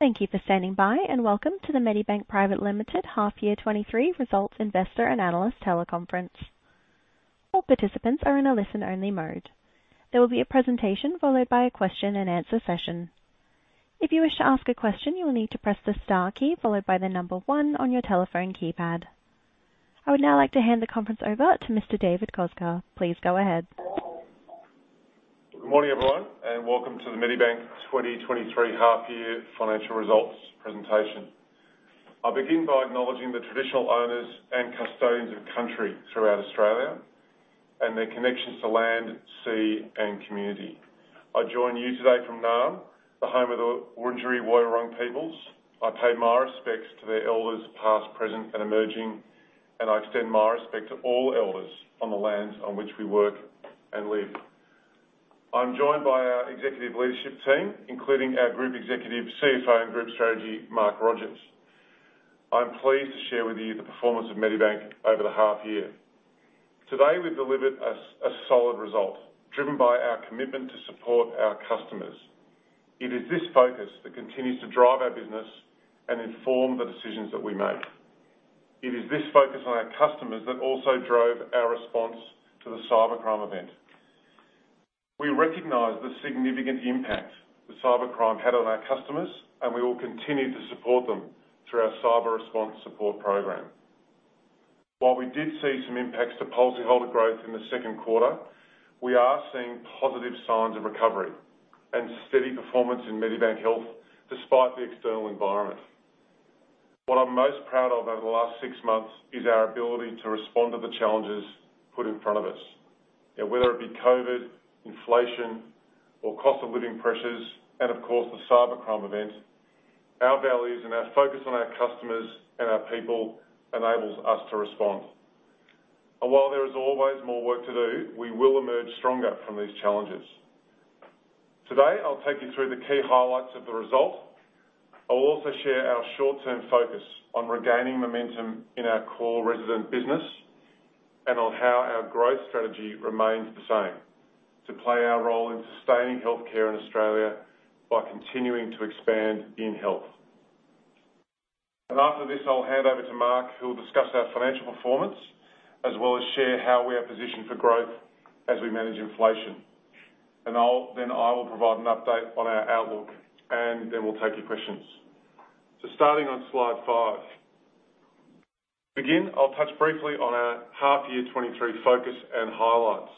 Thank you for standing by. Welcome to the Medibank Private Limited Half-Year 2023 Results Investor and Analyst Teleconference. All participants are in a listen-only mode. There will be a presentation followed by a question-and-answer session. If you wish to ask a question, you will need to press the star key followed by one on your telephone keypad. I would now like to hand the conference over to Mr. David Koczkar. Please go ahead. Good morning, everyone. Welcome to the Medibank 2023 Half-Year Financial Results Presentation. I'll begin by acknowledging the traditional owners and custodians of country throughout Australia, their connections to land, sea, and community. I join you today from Naarm, the home of the Wurundjeri Woi-wurrung peoples. I pay my respects to their elders past, present, and emerging. I extend my respect to all elders on the lands on which we work and live. I'm joined by our executive leadership team, including our Group Executive, CFO, and Group Strategy, Mark Rogers. I'm pleased to share with you the performance of Medibank over the half-year. Today, we've delivered a solid result, driven by our commitment to support our customers. It is this focus that continues to drive our business and inform the decisions that we make. It is this focus on our customers that also drove our response to the cybercrime event. We recognize the significant impact the cybercrime had on our customers, and we will continue to support them through our cyber response support program. While we did see some impacts to policyholder growth in the second quarter, we are seeing positive signs of recovery and steady performance in Medibank Health despite the external environment. What I'm most proud of over the last six months is our ability to respond to the challenges put in front of us. You know, whether it be COVID, inflation or cost of living pressures, and of course, the cybercrime event, our values and our focus on our customers and our people enables us to respond. While there is always more work to do, we will emerge stronger from these challenges. Today, I'll take you through the key highlights of the result. I'll also share our short-term focus on regaining momentum in our core resident business and on how our growth strategy remains the same, to play our role in sustaining healthcare in Australia by continuing to expand in health. After this, I'll hand over to Mark, who will discuss our financial performance as well as share how we are positioned for growth as we manage inflation. Then I will provide an update on our outlook, and then we'll take your questions. Starting on slide five. To begin, I'll touch briefly on our half-year 2023 focus and highlights.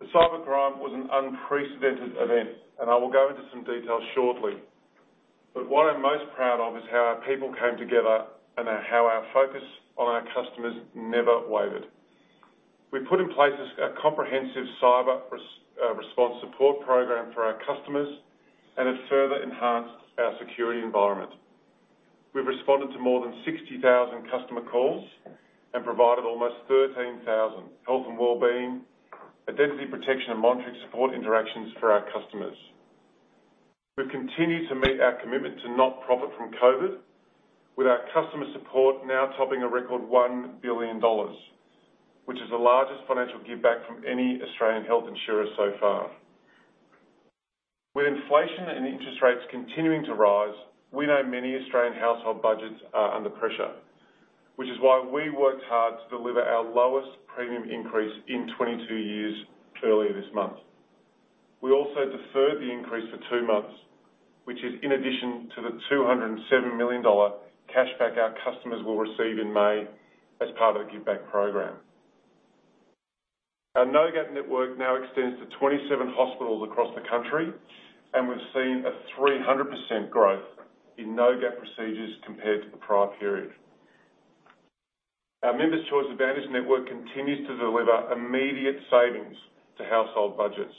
The cybercrime was an unprecedented event, and I will go into some detail shortly. What I'm most proud of is how our people came together and how our focus on our customers never wavered. We put in place a comprehensive cyber response support program for our customers. It further enhanced our security environment. We've responded to more than 60,000 customer calls and provided almost 13,000 health and wellbeing, identity protection, and monitoring support interactions for our customers. We've continued to meet our commitment to not profit from COVID, with our customer support now topping a record 1 billion dollars, which is the largest financial giveback from any Australian health insurer so far. With inflation and interest rates continuing to rise, we know many Australian household budgets are under pressure, which is why we worked hard to deliver our lowest premium increase in 22 years earlier this month. We also deferred the increase for two months, which is in addition to the 207 million dollar cashback our customers will receive in May as part of the giveback program. Our No Gap network now extends to 27 hospitals across the country, and we've seen a 300% growth in No Gap procedures compared to the prior period. Our Members' Choice Advantage network continues to deliver immediate savings to household budgets.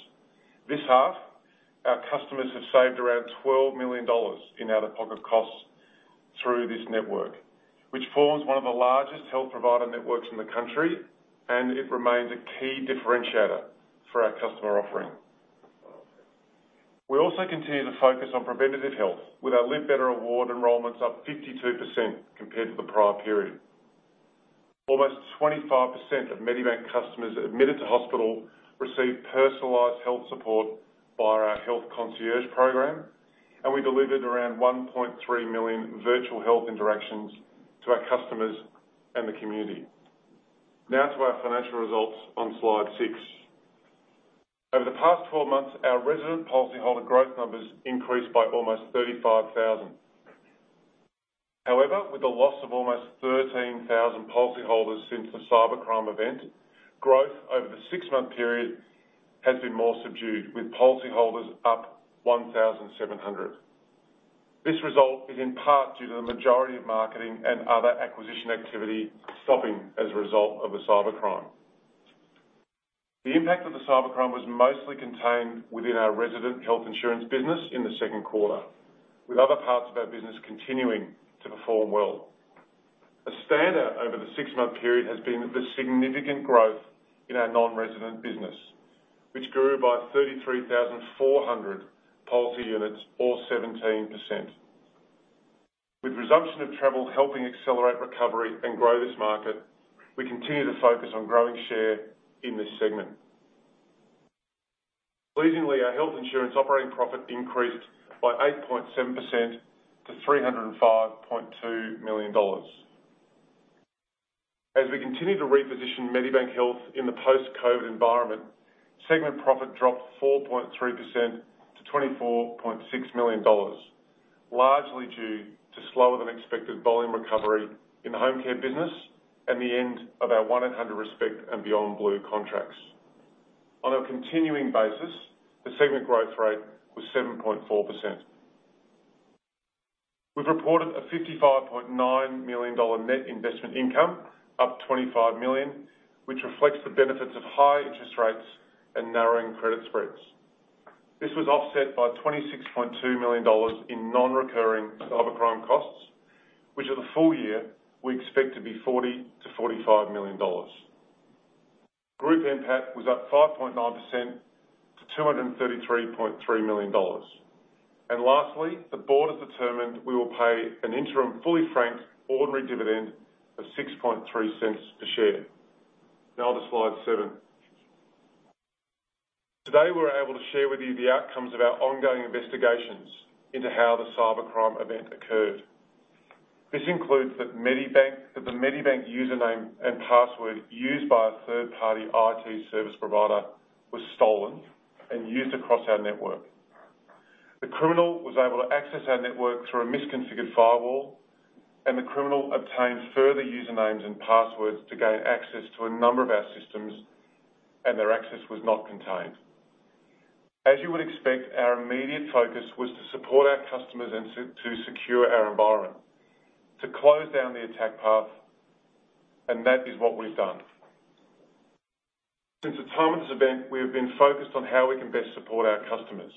This half, our customers have saved around 12 million dollars in out-of-pocket costs through this network, which forms one of the largest health provider networks in the country, and it remains a key differentiator for our customer offering. We also continue to focus on preventative health with our Live Better rewards enrollments up 52% compared to the prior period. Almost 25% of Medibank customers admitted to hospital received personalized health support via our health concierge program. We delivered around 1.3 million virtual health interactions to our customers and the community. To our financial results on slide six. Over the past 12 months, our resident policyholder growth numbers increased by almost 35,000. With the loss of almost 13,000 policyholders since the cybercrime event, growth over the six-month period has been more subdued, with policyholders up 1,700. This result is in part due to the majority of marketing and other acquisition activity stopping as a result of the cybercrime. The impact of the cybercrime was mostly contained within our resident Health Insurance business in the second quarter, with other parts of our business continuing to perform well. A standout over the six-month period has been the significant growth in our non-resident business, which grew by 33,400 policy units or 17%. With resumption of travel helping accelerate recovery and grow this market, we continue to focus on growing share in this segment. Pleasingly, our Health Insurance operating profit increased by 8.7% to 305.2 million dollars. As we continue to reposition Medibank Health in the post-COVID environment, segment profit dropped 4.3% to 24.6 million dollars, largely due to slower than expected volume recovery in the Home Care business and the end of our 1800RESPECT and Beyond Blue contracts. On a continuing basis, the segment growth rate was 7.4%. We've reported a 55.9 million dollar net investment income up 25 million, which reflects the benefits of high interest rates and narrowing credit spreads. This was offset by 26.2 million dollars in non-recurring cybercrime costs, which in the full-year we expect to be 40 million-45 million dollars. Group NPAT was up 5.9% to 233.3 million dollars. Lastly, the board has determined we will pay an interim fully franked ordinary dividend of 0.063 per share. Now to slide seven. Today, we're able to share with you the outcomes of our ongoing investigations into how the cybercrime event occurred. This includes that the Medibank username and password used by a third-party IT service provider was stolen and used across our network. The criminal was able to access our network through a misconfigured firewall, and the criminal obtained further usernames and passwords to gain access to a number of our systems, and their access was not contained. As you would expect, our immediate focus was to support our customers and to secure our environment, to close down the attack path, and that is what we've done. Since the time of this event, we have been focused on how we can best support our customers.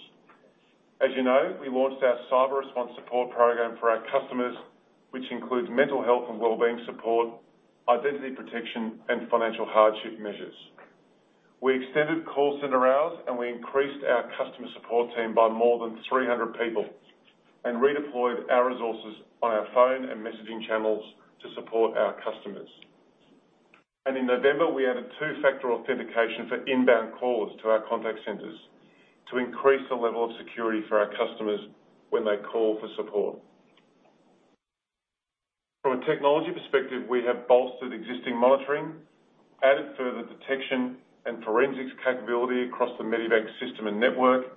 As you know, we launched our cyber response support program for our customers, which includes mental health and well-being support, identity protection, and financial hardship measures. We extended call center hours, and we increased our customer support team by more than 300 people and redeployed our resources on our phone and messaging channels to support our customers. In November, we added two-factor authentication for inbound calls to our contact centers to increase the level of security for our customers when they call for support. From a technology perspective, we have bolstered existing monitoring, added further detection and forensics capability across the Medibank system and network,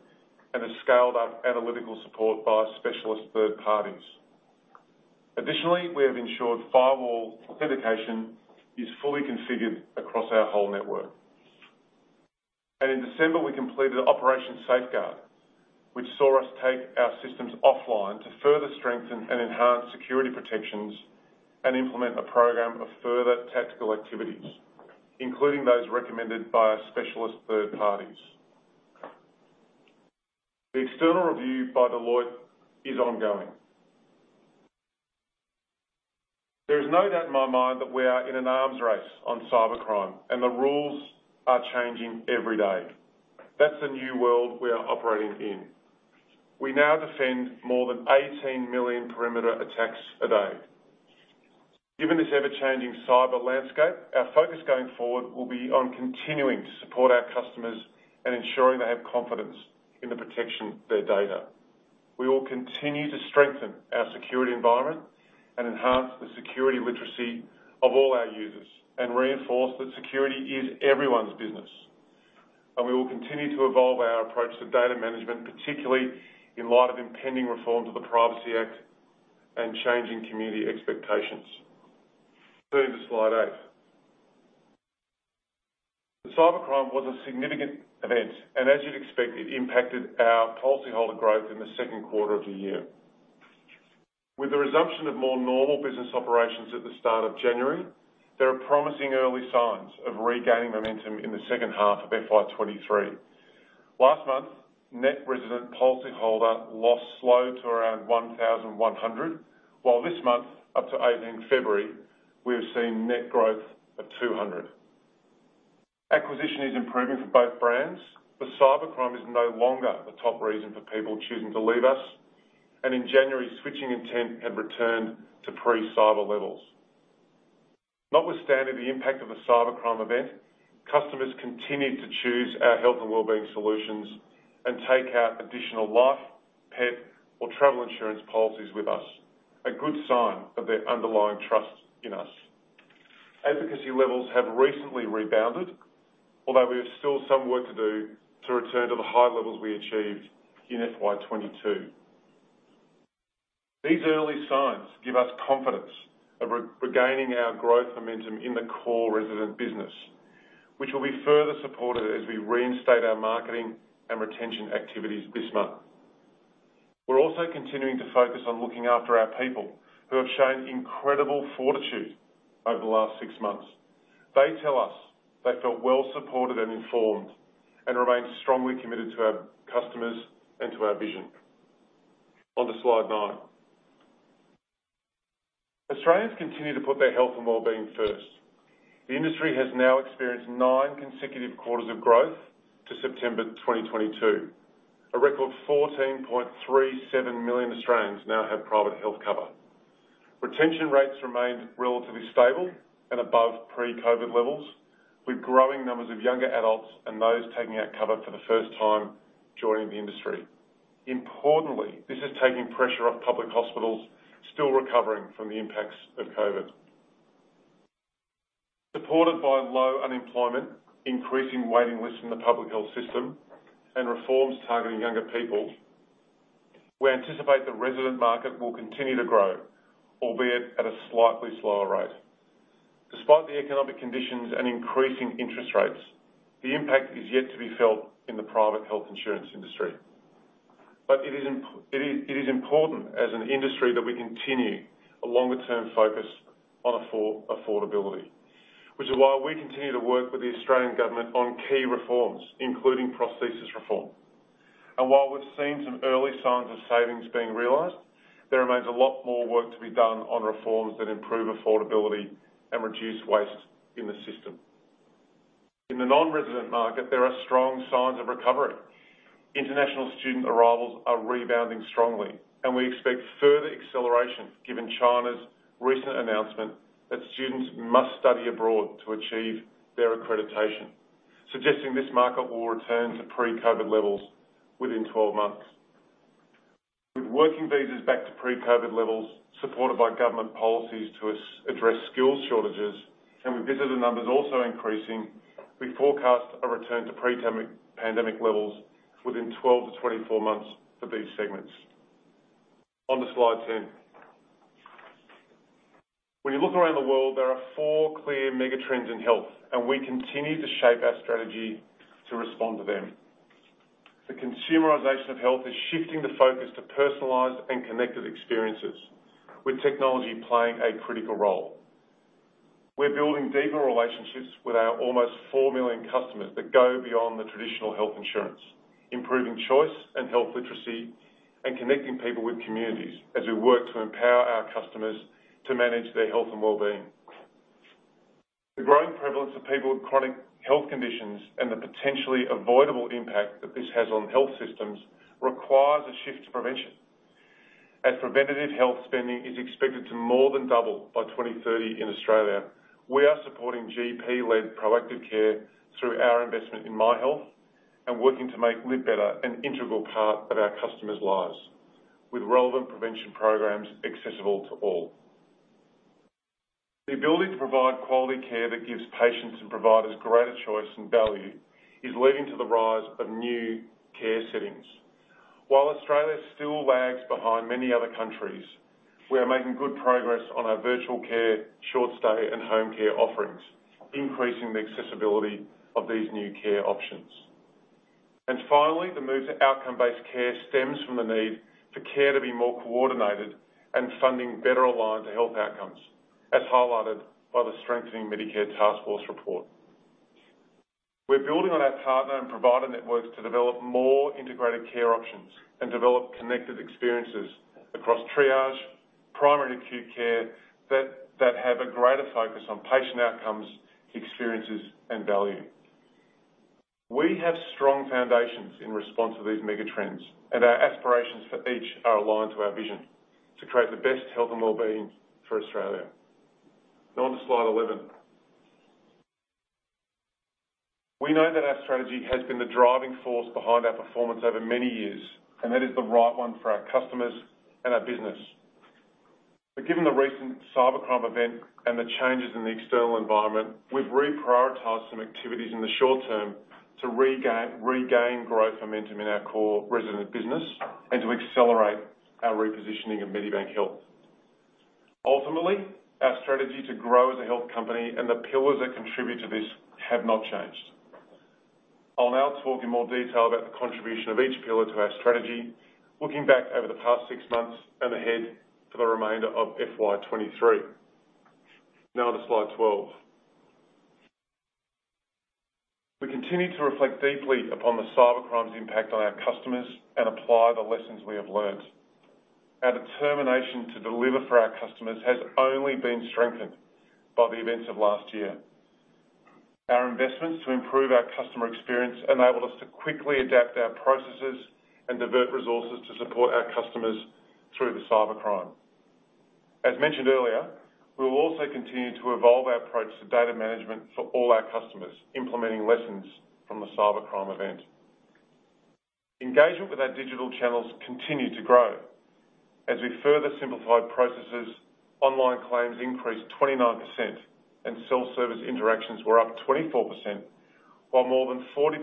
and have scaled up analytical support by specialist third parties. Additionally, we have ensured firewall authentication is fully configured across our whole network. In December, we completed Operation Safeguard, which saw us take our systems offline to further strengthen and enhance security protections and implement a program of further tactical activities, including those recommended by our specialist third parties. The external review by Deloitte is ongoing. There is no doubt in my mind that we are in an arms race on cybercrime, and the rules are changing every day. That's the new world we are operating in. We now defend more than 18 million perimeter attacks a day. Given this ever-changing cyber landscape, our focus going forward will be on continuing to support our customers and ensuring they have confidence in the protection of their data. We will continue to strengthen our security environment and enhance the security literacy of all our users and reinforce that security is everyone's business. We will continue to evolve our approach to data management, particularly in light of impending reforms of the Privacy Act and changing community expectations. Turning to slide eight. The cybercrime was a significant event, and as you'd expect, it impacted our policyholder growth in the second quarter of the year. With the resumption of more normal business operations at the start of January, there are promising early signs of regaining momentum in the second half of FY 2023. Last month, net resident policyholder loss slowed to around 1,100, while this month, up to 18th February, we have seen net growth of 200. Acquisition is improving for both brands. The cybercrime is no longer the top reason for people choosing to leave us, and in January, switching intent had returned to pre-cyber levels. Notwithstanding the impact of the cybercrime event, customers continued to choose our health and well-being solutions and take out additional life, pet, or Travel Insurance policies with us, a good sign of their underlying trust in us. Advocacy levels have recently rebounded, although we have still some work to do to return to the high levels we achieved in FY 2022. These early signs give us confidence of re-regaining our growth momentum in the core resident business, which will be further supported as we reinstate our marketing and retention activities this month. We're also continuing to focus on looking after our people who have shown incredible fortitude over the last six months. They tell us they felt well supported and informed and remain strongly committed to our customers and to our vision. On to slide nine. Australians continue to put their health and wellbeing first. The industry has now experienced nine consecutive quarters of growth to September 2022. A record 14.37 million Australians now have private health cover. Retention rates remained relatively stable and above pre-COVID levels, with growing numbers of younger adults and those taking out cover for the first time joining the industry. Importantly, this is taking pressure off public hospitals still recovering from the impacts of COVID. Supported by low unemployment, increasing waiting lists in the public health system and reforms targeting younger people, we anticipate the resident market will continue to grow, albeit at a slightly slower rate. Despite the economic conditions and increasing interest rates, the impact is yet to be felt in the private Health Insurance industry. It is important as an industry that we continue a longer-term focus on affordability, which is why we continue to work with the Australian government on key reforms, including prosthesis reform. While we've seen some early signs of savings being realized, there remains a lot more work to be done on reforms that improve affordability and reduce waste in the system. In the non-resident market, there are strong signs of recovery. International student arrivals are rebounding strongly. We expect further acceleration given China's recent announcement that students must study abroad to achieve their accreditation, suggesting this market will return to pre-COVID levels within 12 months. With working visas back to pre-COVID levels, supported by government policies to address skills shortages and with visitor numbers also increasing, we forecast a return to pre-pandemic levels within 12-24 months for these segments. On to slide 10. When you look around the world, there are four clear mega trends in health. We continue to shape our strategy to respond to them. The consumerization of health is shifting the focus to personalized and connected experiences, with technology playing a critical role. We're building deeper relationships with our almost four million customers that go beyond the traditional Health Insurance, improving choice and health literacy, and connecting people with communities as we work to empower our customers to manage their health and wellbeing. The growing prevalence of people with chronic health conditions and the potentially avoidable impact that this has on health systems requires a shift to prevention. As preventative health spending is expected to more than double by 2030 in Australia, we are supporting GP-led proactive care through our investment in Myhealth and working to make Live Better an integral part of our customers' lives with relevant prevention programs accessible to all. The ability to provide quality care that gives patients and providers greater choice and value is leading to the rise of new care settings. While Australia still lags behind many other countries, we are making good progress on our virtual care, short stay, and Home Care offerings, increasing the accessibility of these new care options. Finally, the move to outcome-based care stems from the need for care to be more coordinated and funding better aligned to health outcomes, as highlighted by the Strengthening Medicare Taskforce report. We're building on our partner and provider networks to develop more integrated care options and develop connected experiences across triage, primary acute care that have a greater focus on patient outcomes, experiences, and value. We have strong foundations in response to these mega trends, and our aspirations for each are aligned to our vision to create the best health and wellbeing for Australia. Now on to slide 11. We know that our strategy has been the driving force behind our performance over many years, and that is the right one for our customers and our business. Given the recent cybercrime event and the changes in the external environment, we've reprioritized some activities in the short term to regain growth momentum in our core resident business and to accelerate our repositioning of Medibank Health. Ultimately, our strategy to grow as a health company and the pillars that contribute to this have not changed. I'll now talk in more detail about the contribution of each pillar to our strategy, looking back over the past six months and ahead for the remainder of FY 2023. Now on to slide 12. We continue to reflect deeply upon the cybercrime's impact on our customers and apply the lessons we have learned. Our determination to deliver for our customers has only been strengthened by the events of last year. Our investments to improve our customer experience enabled us to quickly adapt our processes and divert resources to support our customers through the cybercrime. As mentioned earlier, we will also continue to evolve our approach to data management for all our customers, implementing lessons from the cybercrime event. Engagement with our digital channels continued to grow. As we further simplified processes, online claims increased 29% and self-service interactions were up 24%, while more than 40%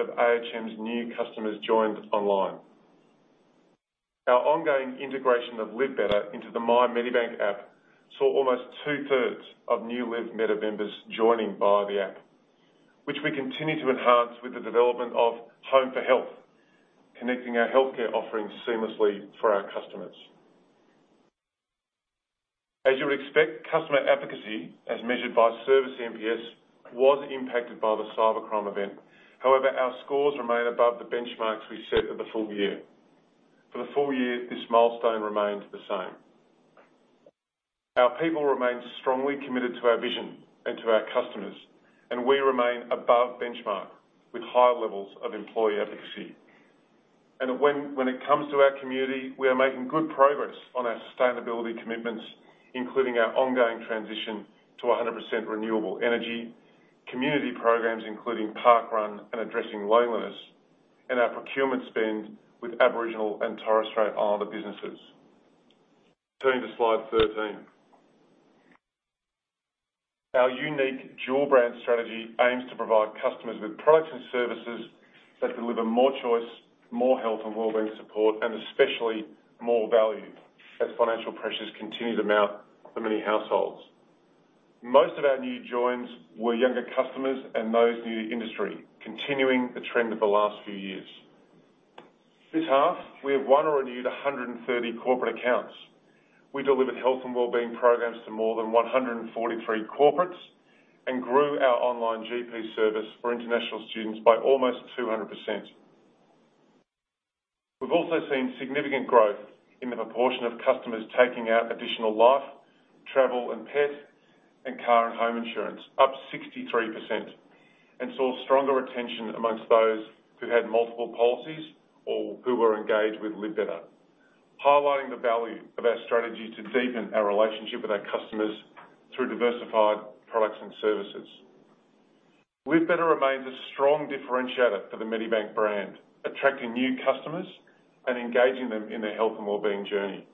of ahm's new customers joined online. Our ongoing integration of Live Better into the MyMedibank app saw almost two-thirds of new Live Better members joining via the app, which we continue to enhance with the development of Home for Health, connecting our healthcare offerings seamlessly for our customers. As you would expect, customer advocacy, as measured by service NPS was impacted by the cybercrime event. However, our scores remain above the benchmarks we set for the full-year. For the full-year, this milestone remains the same. Our people remain strongly committed to our vision and to our customers, we remain above benchmark with high levels of employee efficacy. When it comes to our community, we are making good progress on our sustainability commitments, including our ongoing transition to 100% renewable energy, community programs including parkrun and addressing loneliness, and our procurement spend with Aboriginal and Torres Strait Islander businesses. Turning to slide 13. Our unique dual brand strategy aims to provide customers with products and services that deliver more choice, more health and wellbeing support, and especially more value as financial pressures continue to mount for many households. Most of our new joins were younger customers and those new to industry, continuing the trend of the last few years. This half, we have won or renewed 130 corporate accounts. We delivered health and wellbeing programs to more than 143 corporates and grew our online GP service for international students by almost 200%. We've also seen significant growth in the proportion of customers taking out additional life, travel and pet, and car and home insurance, up 63%. Saw stronger retention amongst those who had multiple policies or who were engaged with Live Better, highlighting the value of our strategy to deepen our relationship with our customers through diversified products and services. Live Better remains a strong differentiator for the Medibank brand, attracting new customers and engaging them in their health and wellbeing journey.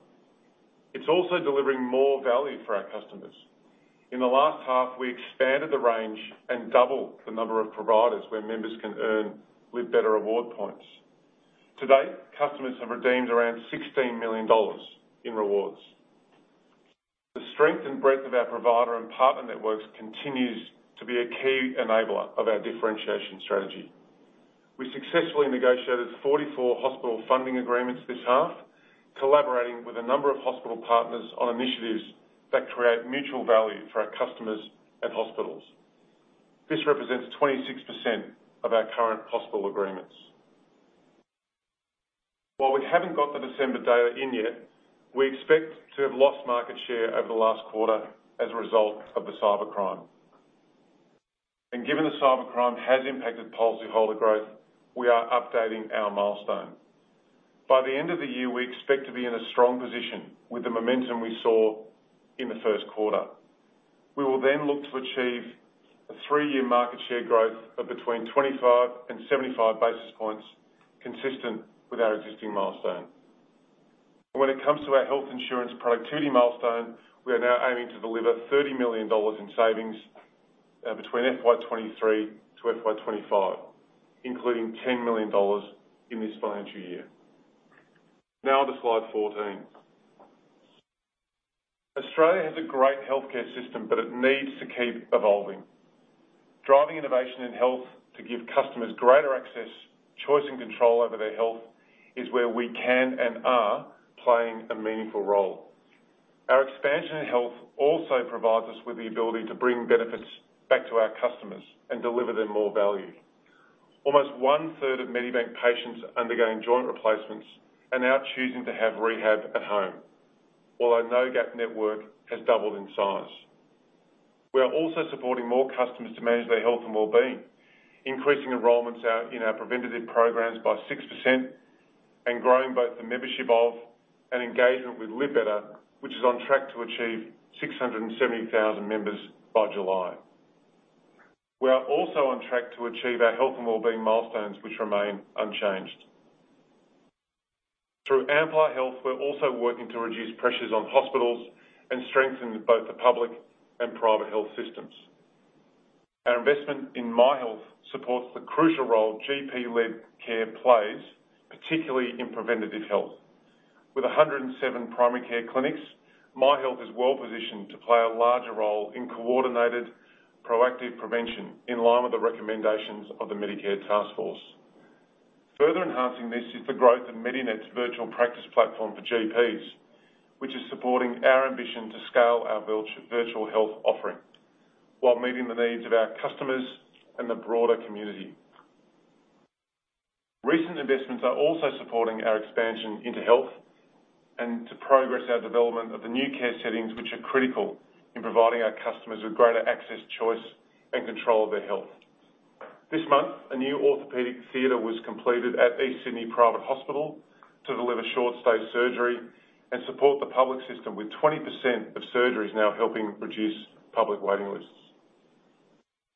It's also delivering more value for our customers. In the last half, we expanded the range and doubled the number of providers where members can earn Live Better reward points. To date, customers have redeemed around 16 million dollars in rewards. The strength and breadth of our provider and partner networks continues to be a key enabler of our differentiation strategy. We successfully negotiated 44 hospital funding agreements this half, collaborating with a number of hospital partners on initiatives that create mutual value for our customers and hospitals. This represents 26% of our current hospital agreements. While we haven't got the December data in yet, we expect to have lost market share over the last quarter as a result of the cybercrime. Given the cybercrime has impacted policyholder growth, we are updating our milestone. By the end of the year, we expect to be in a strong position with the momentum we saw in the first quarter. We will then look to achieve a three-year market share growth of between 25 and 75 basis points consistent with our existing milestone. When it comes to our Health Insurance productivity milestone, we are now aiming to deliver 30 million dollars in savings between FY 2023 to FY 2025, including 10 million dollars in this financial year. To slide 14. Australia has a great healthcare system, but it needs to keep evolving. Driving innovation in health to give customers greater access, choice, and control over their health is where we can and are playing a meaningful role. Our expansion in health also provides us with the ability to bring benefits back to our customers and deliver them more value. Almost 1/3 of Medibank patients undergoing joint replacements are now choosing to have rehab at home. Our No Gap network has doubled in size. We are also supporting more customers to manage their health and wellbeing, increasing enrollments out in our preventative programs by 6% and growing both the membership of and engagement with Live Better, which is on track to achieve 670,000 members by July. We are also on track to achieve our health and wellbeing milestones, which remain unchanged. Through Amplar Health, we're also working to reduce pressures on hospitals and strengthen both the public and private health systems. Our investment in Myhealth, supports the crucial role GP-led care plays, particularly in preventative health. With 107 primary care clinics, Myhealth is well-positioned to play a larger role in coordinated proactive prevention in line with the recommendations of the Medicare Taskforce. Further enhancing this is the growth of Medinet's virtual practice platform for GPs, which is supporting our ambition to scale our virtual health offering while meeting the needs of our customers and the broader community. Recent investments are also supporting our expansion into health and to progress our development of the new care settings, which are critical in providing our customers with greater access, choice, and control of their health. This month, a new orthopedic theater was completed at East Sydney Private Hospital to deliver short-stay surgery and support the public system with 20% of surgeries now helping reduce public waiting lists.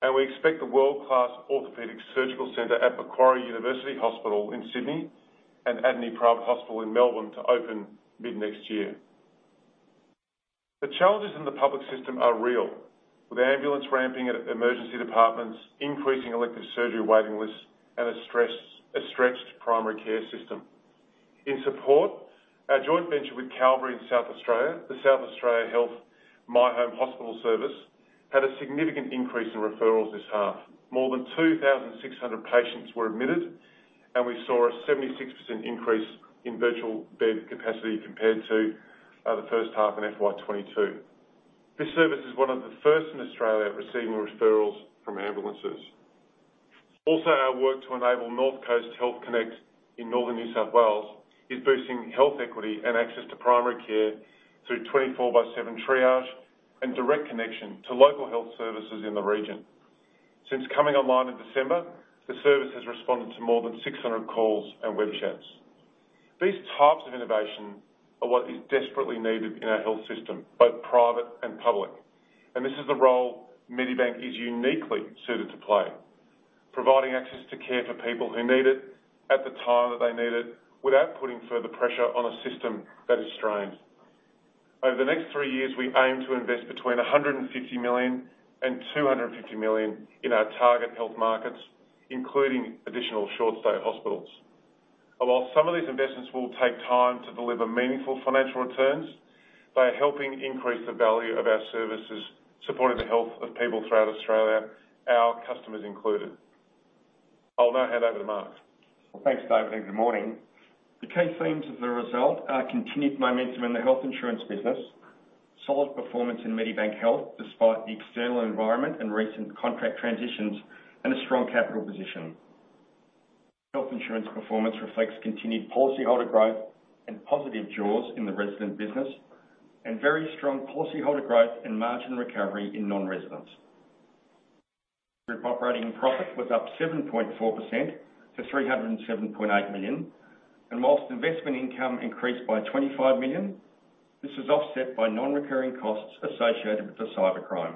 We expect the world-class orthopedic surgical center at Macquarie University Hospital in Sydney and Adeney Private Hospital in Melbourne to open mid-next year. The challenges in the public system are real, with ambulance ramping at emergency departments, increasing elective surgery waiting lists, and a stretched primary care system. In support, our joint venture with Calvary in South Australia, the South Australia Health MyHome Hospital service, had a significant increase in referrals this half. More than 2,600 patients were admitted. We saw a 76% increase in virtual bed capacity compared to the first half in FY 2022. This service is one of the first in Australia receiving referrals from ambulances. Our work to enable North Coast Health Connect in Northern New South Wales is boosting health equity and access to primary care through 24/7 triage and direct connection to local health services in the region. Since coming online in December, the service has responded to more than 600 calls and web chats. These types of innovation are what is desperately needed in our health system, both private and public. This is the role Medibank is uniquely suited to play, providing access to care for people who need it, at the time that they need it, without putting further pressure on a system that is strained. Over the next three years, we aim to invest between 150 million and 250 million in our target health markets, including additional short-stay hospitals. While some of these investments will take time to deliver meaningful financial returns, they are helping increase the value of our services, supporting the health of people throughout Australia, our customers included. I'll now hand over to Mark. Well, thanks, David, good morning. The key themes of the result are continued momentum in the Health Insurance business, solid performance in Medibank Health despite the external environment and recent contract transitions, a strong capital position. Health Insurance performance reflects continued policyholder growth and positive jaws in the resident business, very strong policyholder growth and margin recovery in non-residents. Group operating profit was up 7.4% to 307.8 million. Whilst investment income increased by 25 million, this was offset by non-recurring costs associated with the cybercrime.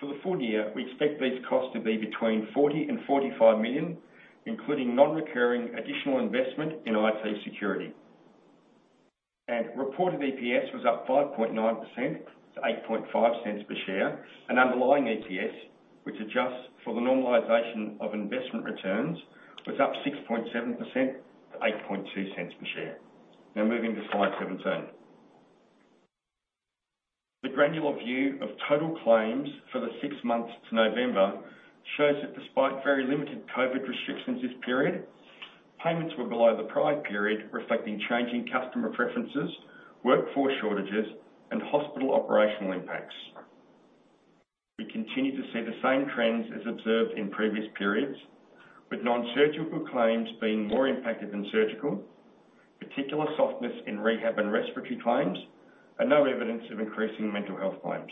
For the full-year, we expect these costs to be between 40 million and 45 million, including non-recurring additional investment in IT security. Reported EPS was up 5.9% to 0.085 per share. Underlying EPS, which adjusts for the normalization of investment returns, was up 6.7% to 0.082 per share. Moving to slide 17. The granular view of total claims for the six months to November shows that despite very limited COVID restrictions this period, payments were below the prior period, reflecting changing customer preferences, workforce shortages, and hospital operational impacts. We continue to see the same trends as observed in previous periods, with nonsurgical claims being more impacted than surgical, particular softness in rehab and respiratory claims, and now evidence of increasing mental health claims.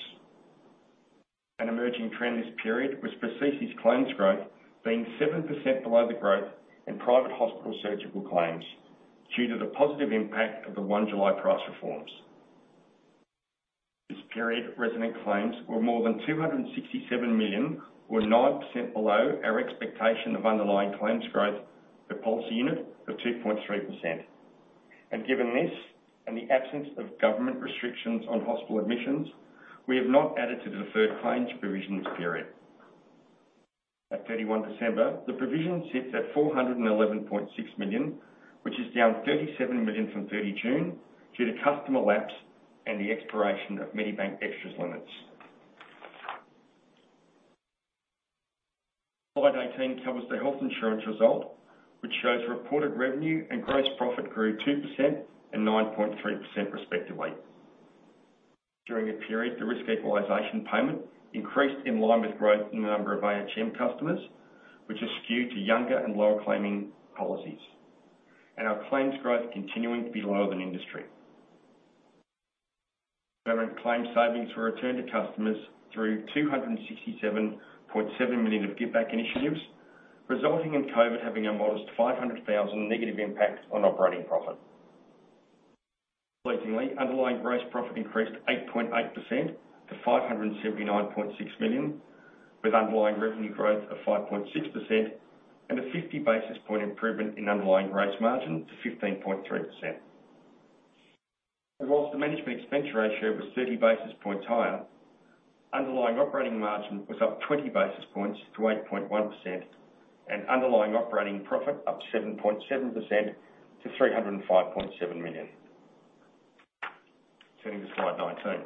An emerging trend this period was procedures claims growth being 7% below the growth in private hospital surgical claims due to the positive impact of the 1 July price reforms. This period, resident claims were more than 267 million or 9% below our expectation of underlying claims growth per policy unit of 2.3%. Given this and the absence of government restrictions on hospital admissions, we have not added to the deferred claims provisions period. At 31 December, the provision sits at 411.6 million, which is down 37 million from 30 June due to customer lapse and the expiration of Medibank Extras limits. Slide 18 covers the Health Insurance result, which shows reported revenue and gross profit grew 2% and 9.3% respectively. During the period, the risk equalization payment increased in line with growth in the number of ahm customers, which is skewed to younger and lower claiming policies. Our claims growth continuing to be lower than industry. Permanent claims savings were returned to customers through 267.7 million of giveback initiatives, resulting in COVID having a modest 500,000 negative impact on operating profit. Pleasingly, underlying gross profit increased 8.8% to 579.6 million, with underlying revenue growth of 5.6% and a 50 basis point improvement in underlying gross margin to 15.3%. Whilst the management expense ratio was 30 basis points higher, underlying operating margin was up 20 basis points to 8.1% and underlying operating profit up to 7.7% to 305.7 million. Turning to slide 19.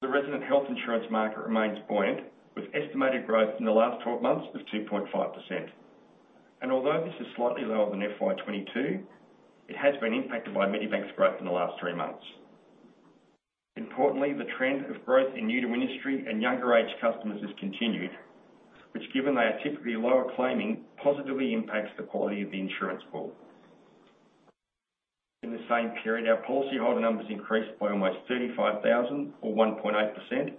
The resident Health Insurance market remains buoyant with estimated growth in the last 12 months of 2.5%. Although this is slightly lower than FY 2022, it has been impacted by Medibank's growth in the last three months. Importantly, the trend of growth in new to industry and younger age customers has continued, which given they are typically lower claiming, positively impacts the quality of the insurance pool. In the same period, our policyholder numbers increased by almost 35,000 or 1.8%.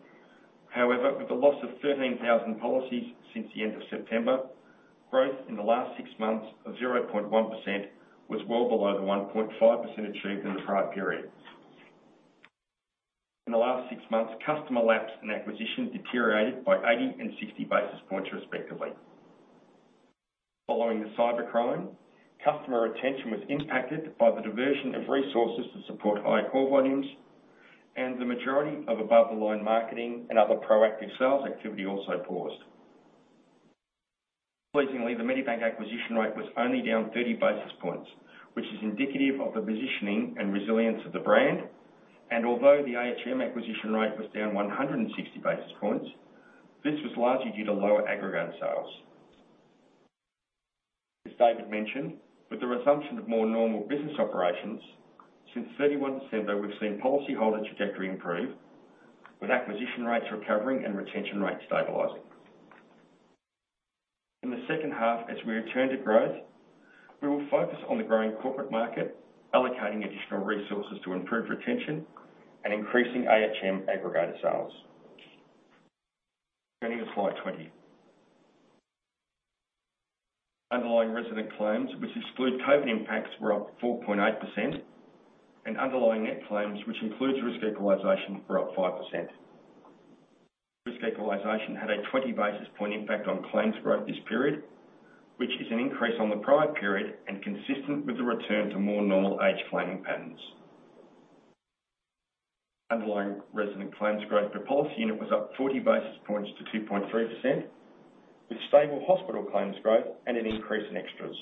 However, with the loss of 13,000 policies since the end of September, growth in the last six months of 0.1% was well below the 1.5% achieved in the prior period. In the last six months, customer lapse and acquisition deteriorated by 80 and 60 basis points respectively. Following the cybercrime, customer retention was impacted by the diversion of resources to support high call volumes, the majority of above the line marketing and other proactive sales activity also paused. Pleasingly, the Medibank acquisition rate was only down 30 basis points, which is indicative of the positioning and resilience of the brand. Although the ahm acquisition rate was down 160 basis points, this was largely due to lower aggregate sales. As David mentioned, with the resumption of more normal business operations since 31 December, we've seen policyholder trajectory improve with acquisition rates recovering and retention rates stabilizing. In the second half, as we return to growth, we will focus on the growing corporate market, allocating additional resources to improve retention and increasing ahm aggregator sales. Going to slide 20. Underlying resident claims, which exclude COVID impacts, were up 4.8%. Underlying net claims, which includes risk equalization, were up 5%. Risk equalization had a 20 basis point impact on claims growth this period, which is an increase on the prior period and consistent with the return to more normal age claiming patterns. Underlying resident claims growth per policy unit was up 40 basis points to 2.3%, with stable hospital claims growth and an increase in Extras.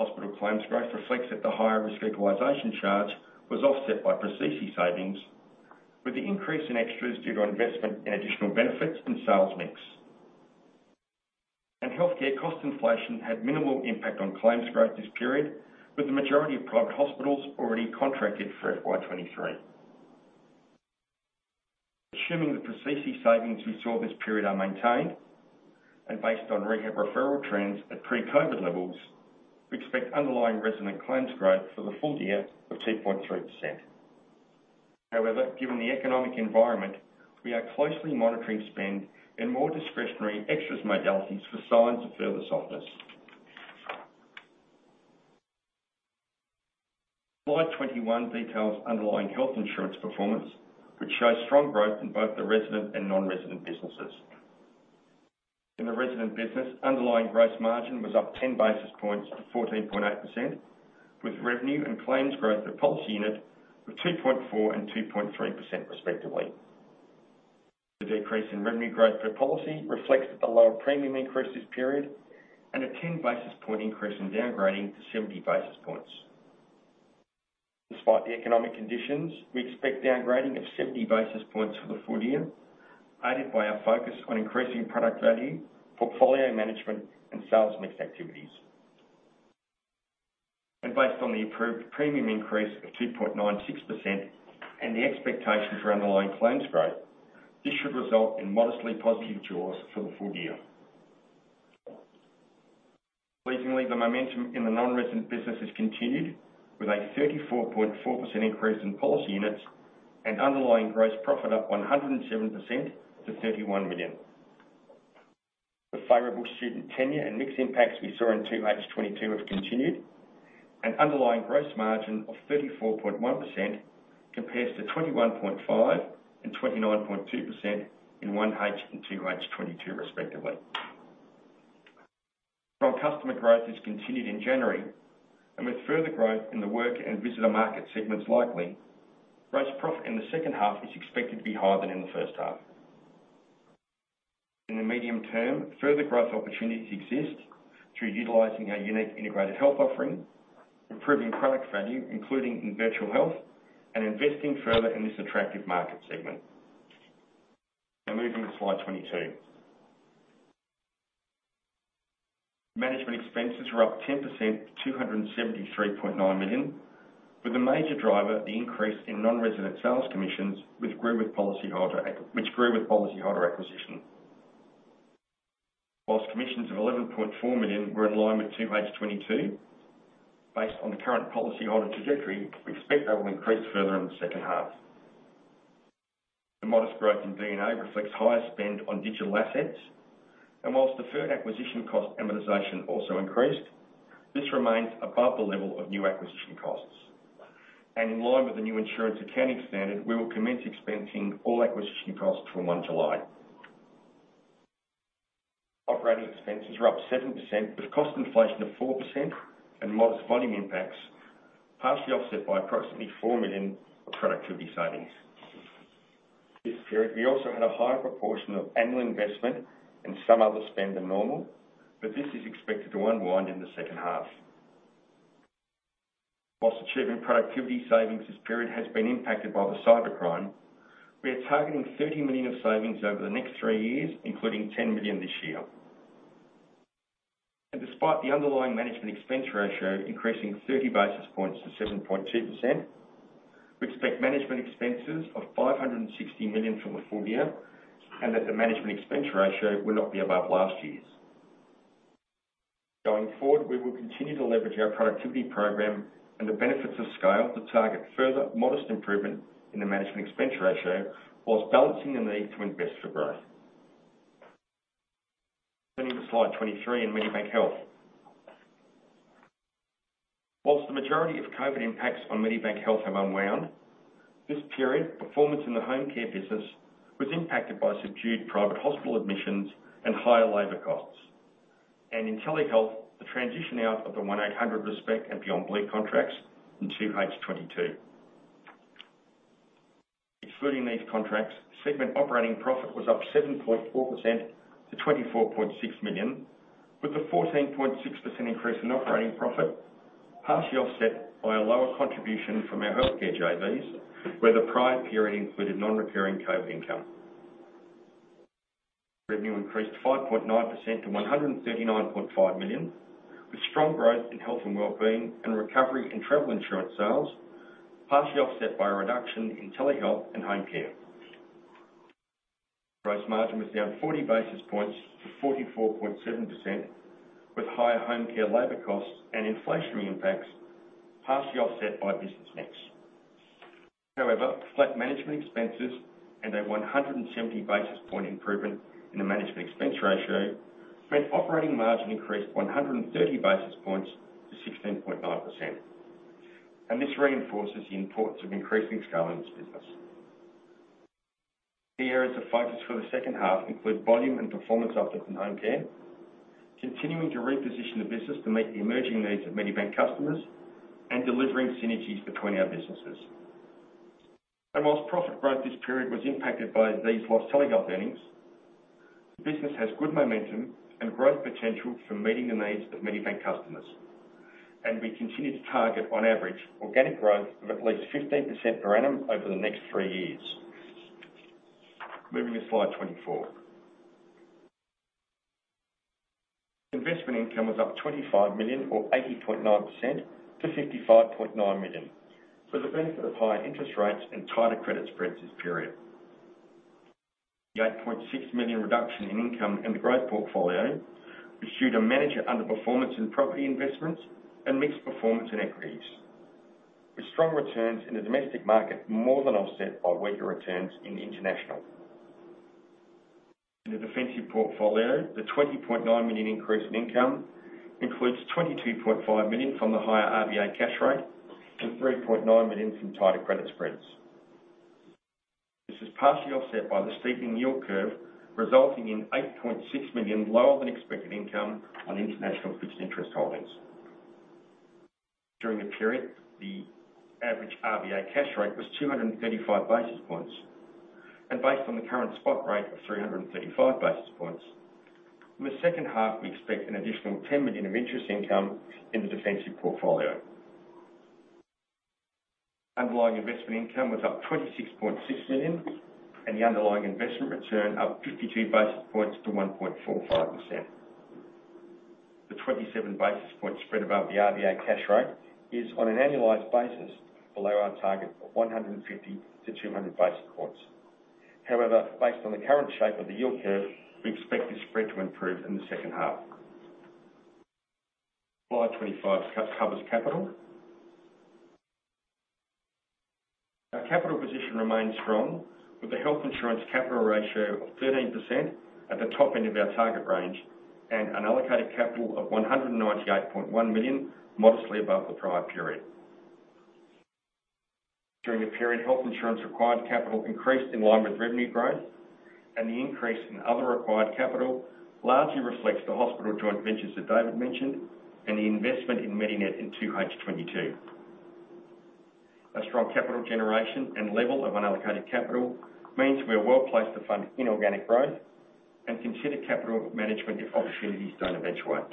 Hospital claims growth reflects that the higher risk equalization charge was offset by Precisely savings, with the increase in Extras due to investment in additional benefits and sales mix. Healthcare cost inflation had minimal impact on claims growth this period, with the majority of private hospitals already contracted for FY 2023. Assuming the Precisely savings we saw this period are maintained and based on pre-COVID rehab referral trends, we expect underlying resident claims growth for the full-year of 2.3%. Given the economic environment, we are closely monitoring spend and more discretionary Extras modalities for signs of further softness. Slide 21 details underlying Health Insurance performance, which shows strong growth in both the resident and non-resident businesses. In the resident business, underlying gross margin was up 10 basis points to 14.8%, with revenue and claims growth per policy unit of 2.4% and 2.3% respectively. The decrease in revenue growth per policy reflects the lower premium increase this period and a 10 basis point increase in downgrading to 70 basis points. Despite the economic conditions, we expect downgrading of 70 basis points for the full-year, aided by our focus on increasing product value, portfolio management, and sales mix activities. Based on the approved premium increase of 2.96% and the expectation for underlying claims growth, this should result in modestly positive jaws for the full-year. Pleasingly, the momentum in the non-resident business has continued with a 34.4% increase in policy units and underlying gross profit up 107% to 31 million. The favorable student tenure and mix impacts we saw in 2H 2022 have continued. An underlying gross margin of 34.1% compares to 21.5% and 29.2% in 1H and 2H 2022 respectively. Strong customer growth has continued in January, and with further growth in the work and visitor market segments likely, gross profit in the second half is expected to be higher than in the first half. In the medium term, further growth opportunities exist through utilizing our unique integrated health offering, improving product value, including in virtual health, and investing further in this attractive market segment. Moving to slide 22. Management expenses were up 10% to 273.9 million, with the major driver the increase in non-resident sales commissions, which grew with policyholder acquisition. Whilst commissions of 11.4 million were in line with 2H 2022, based on the current policyholder trajectory, we expect that will increase further in the second half. The modest growth in VNA reflects higher spend on digital assets, and whilst deferred acquisition cost amortization also increased, this remains above the level of new acquisition costs. In line with the new insurance accounting standard, we will commence expensing all acquisition costs from 1 July. Operating expenses were up 7%, with cost inflation of 4% and modest volume impacts, partially offset by approximately 4 million of productivity savings. This period, we also had a higher proportion of annual investment and some other spend than normal, but this is expected to unwind in the second half. Whilst achieving productivity savings this period has been impacted by the cybercrime, we are targeting 30 million of savings over the next three years, including 10 million this year. Despite the underlying management expense ratio increasing 30 basis points to 7.2%, we expect management expenses of 560 million for the full-year and that the management expense ratio will not be above last year's. Going forward, we will continue to leverage our productivity program and the benefits of scale to target further modest improvement in the management expense ratio whilst balancing the need to invest for growth. Turning to slide 23 in Medibank Health. Whilst the majority of COVID impacts on Medibank Health have unwound, this period, performance in the Home Care business was impacted by subdued private hospital admissions and higher labor costs. In Telehealth, the transition out of the 1800RESPECT and Beyond Blue contracts in 2H 2022. Excluding these contracts, segment operating profit was up 7.4% to 24.6 million, with a 14.6% increase in operating profit, partially offset by a lower contribution from our healthcare JVs, where the prior period included non-recurring COVID income. Revenue increased 5.9% to 139.5 million, with strong growth in health and wellbeing and recovery in Travel Insurance sales, partially offset by a reduction in Telehealth and Home Care. Gross margin was down 40 basis points to 44.7% with higher Home Care labor costs and inflationary impacts, partially offset by business mix. However, flat management expenses and a 170 basis point improvement in the management expense ratio meant operating margin increased 130 basis points to 16.9%. This reinforces the importance of increasing scale in this business. Key areas of focus for the second half include volume and performance uplift in Home Care, continuing to reposition the business to meet the emerging needs of Medibank customers, and delivering synergies between our businesses. Whilst profit growth this period was impacted by these less selling earnings, the business has good momentum and growth potential for meeting the needs of Medibank customers. We continue to target, on average, organic growth of at least 15% per annum over the next three years. Moving to slide 24. Investment income was up 25 million or 80.9% to 55.9 million, for the benefit of higher interest rates and tighter credit spreads this period. The 8.6 million reduction in income in the growth portfolio pursued a manager under performance in property investments and mixed performance in equities, with strong returns in the domestic market more than offset by weaker returns in the international. In the defensive portfolio, the 20.9 million increase in income includes 22.5 million from the higher RBA cash rate and 3.9 million from tighter credit spreads. This is partially offset by the steepening yield curve, resulting in 8.6 million lower than expected income on international fixed interest holdings. During the period, the average RBA cash rate was 235 basis points. Based on the current spot rate of 335 basis points, in the second half, we expect an additional 10 million of interest income in the defensive portfolio. Underlying investment income was up 26.6 million, and the underlying investment return up 52 basis points to 1.45%. The 27 basis points spread above the RBA cash rate is on an annualized basis below our target of 150–200 basis points. However, based on the current shape of the yield curve, we expect this spread to improve in the second half. Slide 25, covers capital. Our capital position remains strong with the Health Insurance capital ratio of 13% at the top end of our target range, and an allocated capital of 198.1 million modestly above the prior period. During the period, Health Insurance required capital increased in line with revenue growth, and the increase in other required capital largely reflects the hospital joint ventures that David mentioned and the investment in Medinet in 2H 2022. A strong capital generation and level of unallocated capital means we are well-placed to fund inorganic growth and consider capital management if opportunities don't eventuate.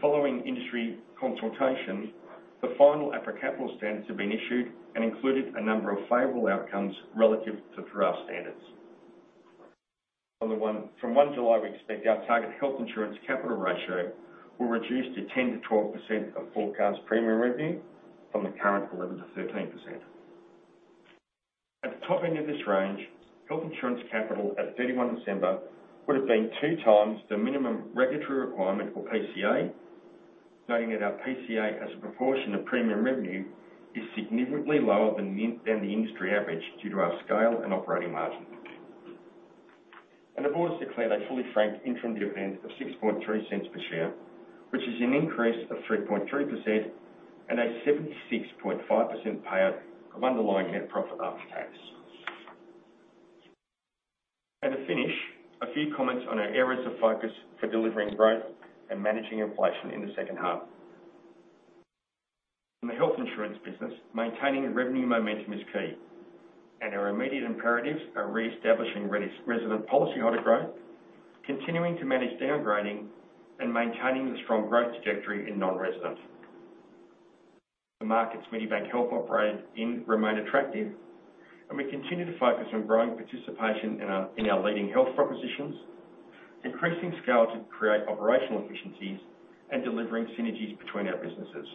Following industry consultation, the final APRA capital standards have been issued and included a number of favorable outcomes relative to draft standards. From 1 July, we expect our target Health Insurance capital ratio will reduce to 10%-12% of forecast premium revenue from the current 11%-13%. At the top end of this range, Health Insurance capital at 31 December would have been 2x the minimum regulatory requirement for PCA, noting that our PCA as a proportion of premium revenue is significantly lower than the industry average due to our scale and operating margin. The board has declared a fully franked interim dividend of 0.063 per share, which is an increase of 3.3% and a 76.5% payout of underlying net profit after tax. To finish, a few comments on our areas of focus for delivering growth and managing inflation in the second half. In the Health Insurance business, maintaining revenue momentum is key, and our immediate imperatives are reestablishing resident policy holder growth, continuing to manage downgrading, and maintaining the strong growth trajectory in non-residents. The markets Medibank Health operate in remain attractive, and we continue to focus on growing participation in our leading health propositions, increasing scale to create operational efficiencies, and delivering synergies between our businesses.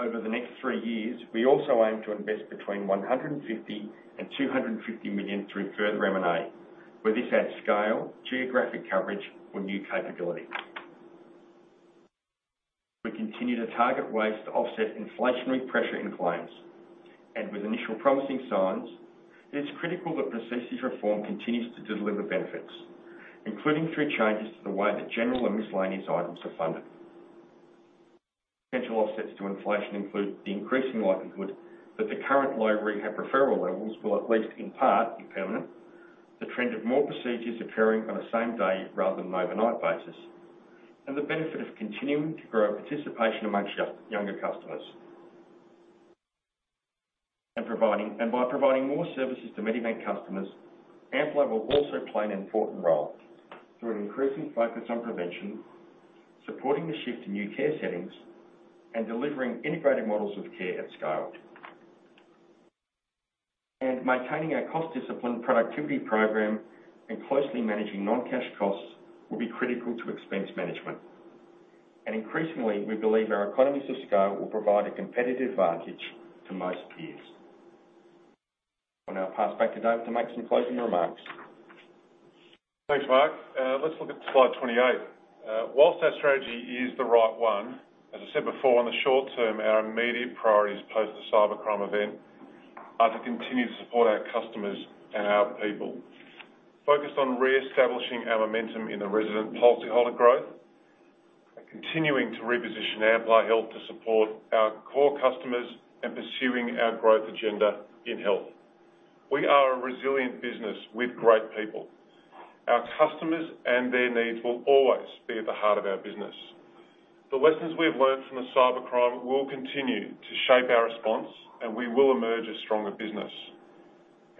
Over the next three years, we also aim to invest between 150 million and 250 million through further M&A, where this adds scale, geographic coverage or new capability. We continue to target ways to offset inflationary pressure in claims. With initial promising signs, it is critical that procedures reform continues to deliver benefits, including through changes to the way that general and miscellaneous items are funded. Potential offsets to inflation include the increasing likelihood that the current low rehab referral levels will, at least in part, be permanent, the trend of more procedures occurring on a same day rather than an overnight basis. The benefit of continuing to grow participation amongst younger customers. By providing more services to Medibank customers, Amplar will also play an important role through an increasing focus on prevention, supporting the shift to new care settings, and delivering integrated models of care at scale. Maintaining our cost discipline productivity program and closely managing non-cash costs will be critical to expense management. Increasingly, we believe our economies of scale will provide a competitive advantage to most peers. I'll now pass back to Dave to make some closing remarks. Thanks, Mark. Let's look at slide 28. Whilst our strategy is the right one, as I said before, on the short term, our immediate priorities post the cybercrime event are to continue to support our customers and our people. Focused on reestablishing our momentum in the resident policyholder growth and continuing to reposition Amplar Health to support our core customers and pursuing our growth agenda in health. We are a resilient business with great people. Our customers and their needs will always be at the heart of our business. The lessons we have learned from the cybercrime will continue to shape our response, and we will emerge a stronger business.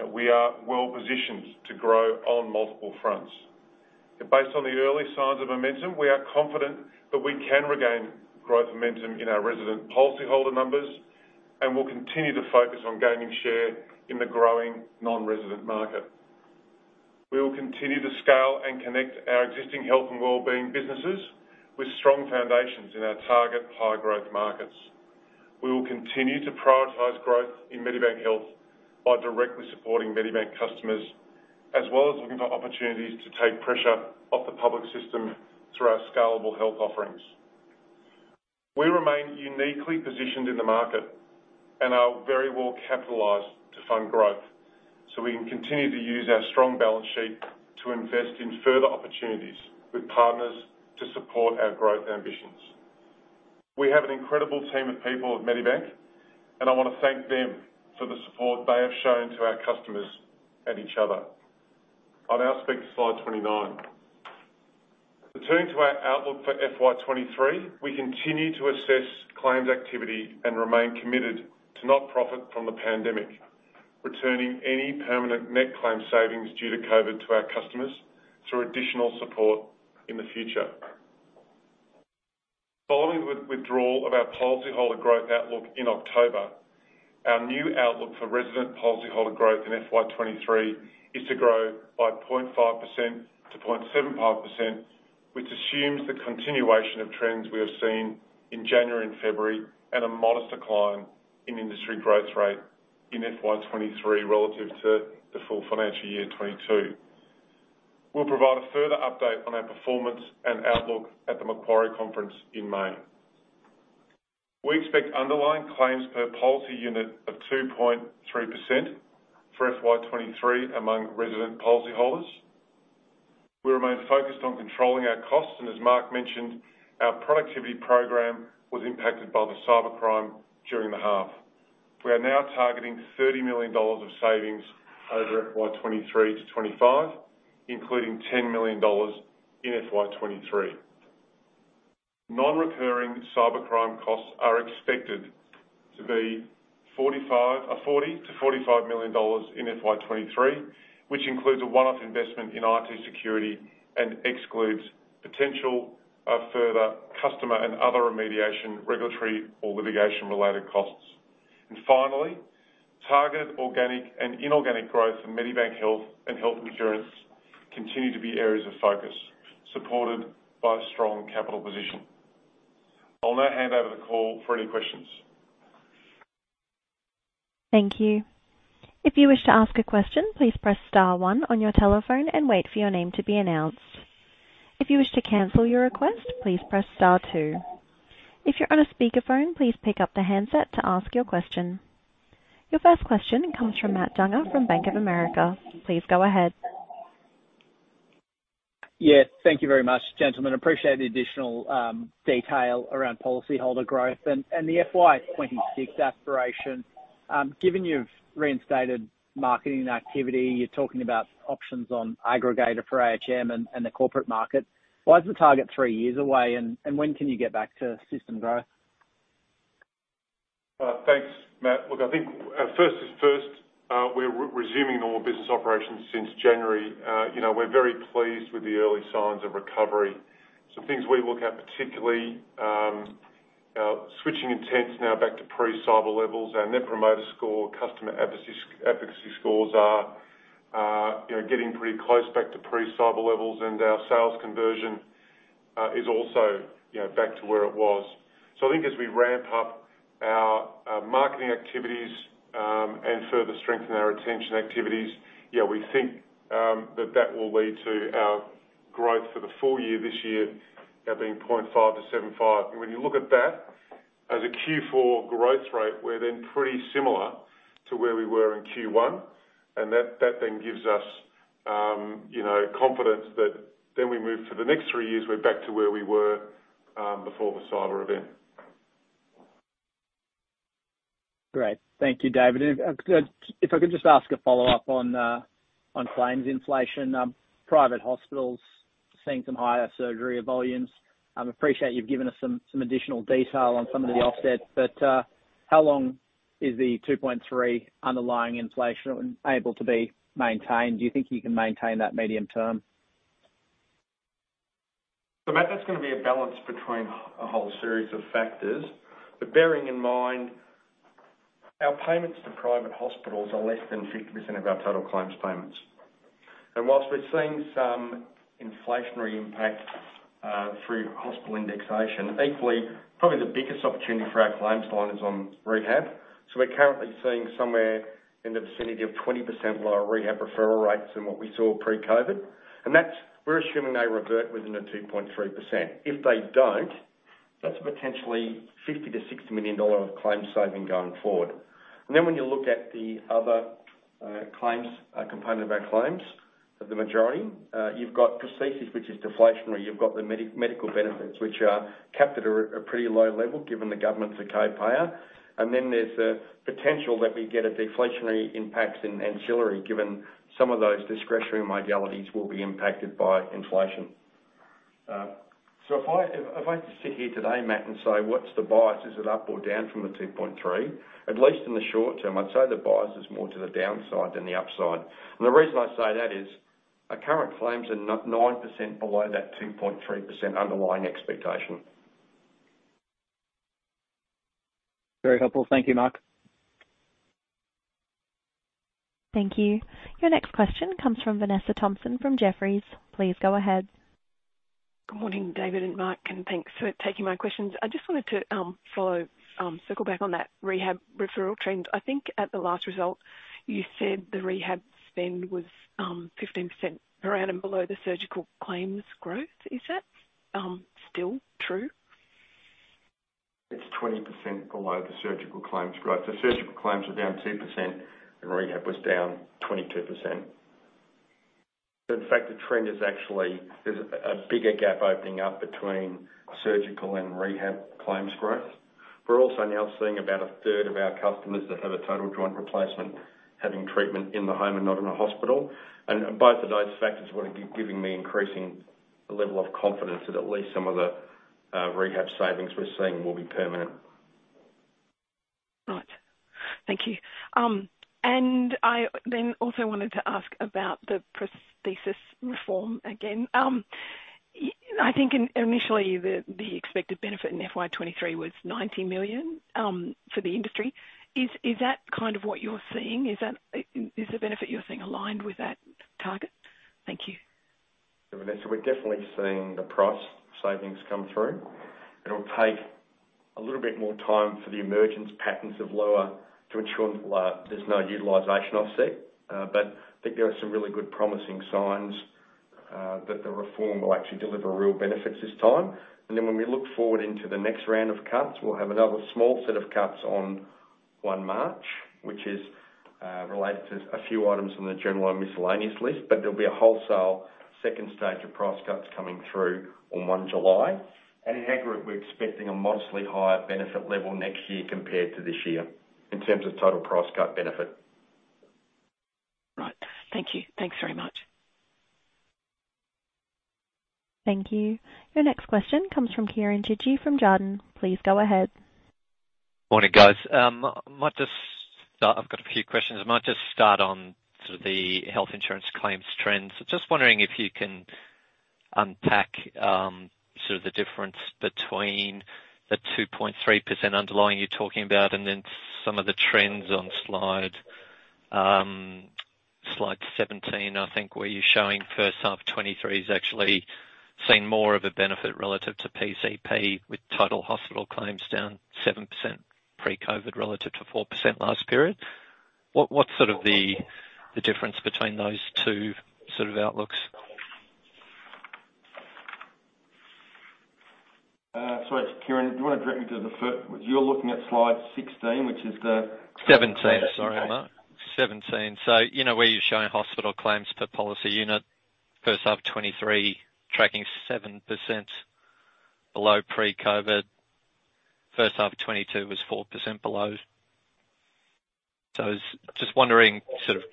We are well-positioned to grow on multiple fronts. Based on the early signs of momentum, we are confident that we can regain growth momentum in our resident policyholder numbers, and we'll continue to focus on gaining share in the growing non-resident market. We will continue to scale and connect our existing health and wellbeing businesses with strong foundations in our target high-growth markets. We will continue to prioritize growth in Medibank Health by directly supporting Medibank customers, as well as looking for opportunities to take pressure off the public system through our scalable health offerings. We remain uniquely positioned in the market and are very well capitalized to fund growth, so we can continue to use our strong balance sheet to invest in further opportunities with partners to support our growth ambitions. We have an incredible team of people at Medibank, and I wanna thank them for the support they have shown to our customers and each other. I now speak to slide 29. Returning to our outlook for FY 2023, we continue to assess claims activity and remain committed to not profit from the pandemic, returning any permanent net claim savings due to COVID to our customers through additional support in the future. Following the withdrawal of our policyholder growth outlook in October, our new outlook for resident policyholder growth in FY 2023 is to grow by 0.5% to 0.75%, which assumes the continuation of trends we have seen in January and February and a modest decline in industry growth rate in FY 2023 relative to the full financial year 2022. We'll provide a further update on our performance and outlook at the Macquarie Conference in May. We expect underlying claims per policy unit of 2.3% for FY 2023 among resident policyholders. We remain focused on controlling our costs, and as Mark mentioned, our productivity program was impacted by the cybercrime during the half. We are now targeting 30 million dollars of savings over FY 2023–2025, including 10 million dollars in FY 2023. Non-recurring cybercrime costs are expected to be 40 million-45 million dollars in FY 2023, which includes a one-off investment in IT security and excludes potential further customer and other remediation, regulatory, or litigation-related costs. Finally, targeted organic and inorganic growth in Medibank Health and Health Insurance continue to be areas of focus, supported by a strong capital position. I'll now hand over the call for any questions. Thank you. If you wish to ask a question, please press star one on your telephone and wait for your name to be announced. If you wish to cancel your request, please press star two. If you're on a speakerphone, please pick up the handset to ask your question. Your first question comes from Matt Dunger from Bank of America. Please go ahead. Yeah. Thank you very much, gentlemen. Appreciate the additional, detail around policyholder growth and the FY 2026 aspiration. Given you've reinstated marketing activity, you're talking about options on aggregator for ahm and the corporate market, why is the target three years away, and when can you get back to system growth? Thanks, Matt. I think first is first, we're resuming normal business operations since January. You know, we're very pleased with the early signs of recovery. Some things we look at, particularly, switching intents now back to pre-cyber levels. Our Net Promoter Score, customer advocacy scores are, you know, getting pretty close back to pre-cyber levels, and our sales conversion is also, you know, back to where it was. I think as we ramp up our marketing activities and further strengthen our retention activities, we think that that will lead to our growth for the full-year this year at being 0.5%-0.75%. When you look at that as a Q4 growth rate, we're then pretty similar to where we were in Q1, and that then gives us, you know, confidence that then we move for the next three years, we're back to where we were before the cyber event. Great. Thank you, David. If I could just ask a follow-up on claims inflation. Private hospitals seeing some higher surgery volumes. Appreciate you've given us some additional detail on some of the offsets, but how long is the 2.3% underlying inflation able to be maintained? Do you think you can maintain that medium term? Matt, that's gonna be a balance between a whole series of factors. Bearing in mind, our payments to private hospitals are less than 50% of our total claims payments. Whilst we've seen some inflationary impact through hospital indexation, equally, probably the biggest opportunity for our claims line is on rehab. We're currently seeing somewhere in the vicinity of 20% lower rehab referral rates than what we saw pre-COVID. That's, we're assuming they revert within the 2.3%. If they don't, that's potentially 50 million-60 million dollar of claims saving going forward. When you look at the other claims component of our claims of the majority, you've got prosthesis, which is deflationary. You've got the medi-medical benefits, which are capped at a pretty low level given the government's a co-payer. Then there's the potential that we get a deflationary impact in ancillary, given some of those discretionary modalities will be impacted by inflation. If I just sit here today, Matt, and say, "What's the bias? Is it up or down from the 2.3?" At least in the short term, I'd say the bias is more to the downside than the upside. The reason I say that is our current claims are 9% below that 2.3% underlying expectation. Very helpful. Thank you, Mark. Thank you. Your next question comes from Vanessa Thomson from Jefferies. Please go ahead. Good morning, David and Mark, and thanks for taking my questions. I just wanted to circle back on that rehab referral trend. I think at the last result, you said the rehab spend was 15% around and below the surgical claims growth. Is that still true? It's 20% below the surgical claims growth. The surgical claims are down 2% and rehab was down 22%. In fact, the trend is actually there's a bigger gap opening up between surgical and rehab claims growth. We're also now seeing about 1/3 of our customers that have a total joint replacement having treatment in the home and not in a hospital. Both of those factors are what are giving me increasing level of confidence that at least some of the rehab savings we're seeing will be permanent. Thank you. I then also wanted to ask about the prosthesis reform again. I think in initially the expected benefit in FY 2023 was $90 million for the industry. Is that kind of what you're seeing? Is the benefit you're seeing aligned with that target? Thank you. Vanessa, we're definitely seeing the price savings come through. It'll take a little bit more time for the emergence patterns of lower to ensure there's no utilization offset. I think there are some really good promising signs that the reform will actually deliver real benefits this time. When we look forward into the next round of cuts, we'll have another small set of cuts on 1 March, which is related to a few items on the general and miscellaneous list, but there'll be a wholesale second stage of price cuts coming through on 1 July. In aggregate, we're expecting a modestly higher benefit level next year compared to this year, in terms of total price cut benefit. Right. Thank you. Thanks very much. Thank you. Your next question comes from Kieren Chidgey from Jarden. Please go ahead. Morning, guys. I might just start. I've got a few questions. I might just start on sort of the Health Insurance claims trends. Just wondering if you can unpack sort of the difference between the 2.3% underlying you're talking about and then some of the trends on slide 17, I think, where you're showing 1H 2023's actually seen more of a benefit relative to PCP with total hospital claims down 7% pre-COVID relative to 4% last period. What's sort of the difference between those two sort of outlooks? Sorry, Kieren, You're looking at slide 16. 17. Sorry about that. 17. You know where you're showing hospital claims per policy unit, first half of 2023 tracking 7% below pre-COVID. First half of 2022 was 4% below. I was just wondering.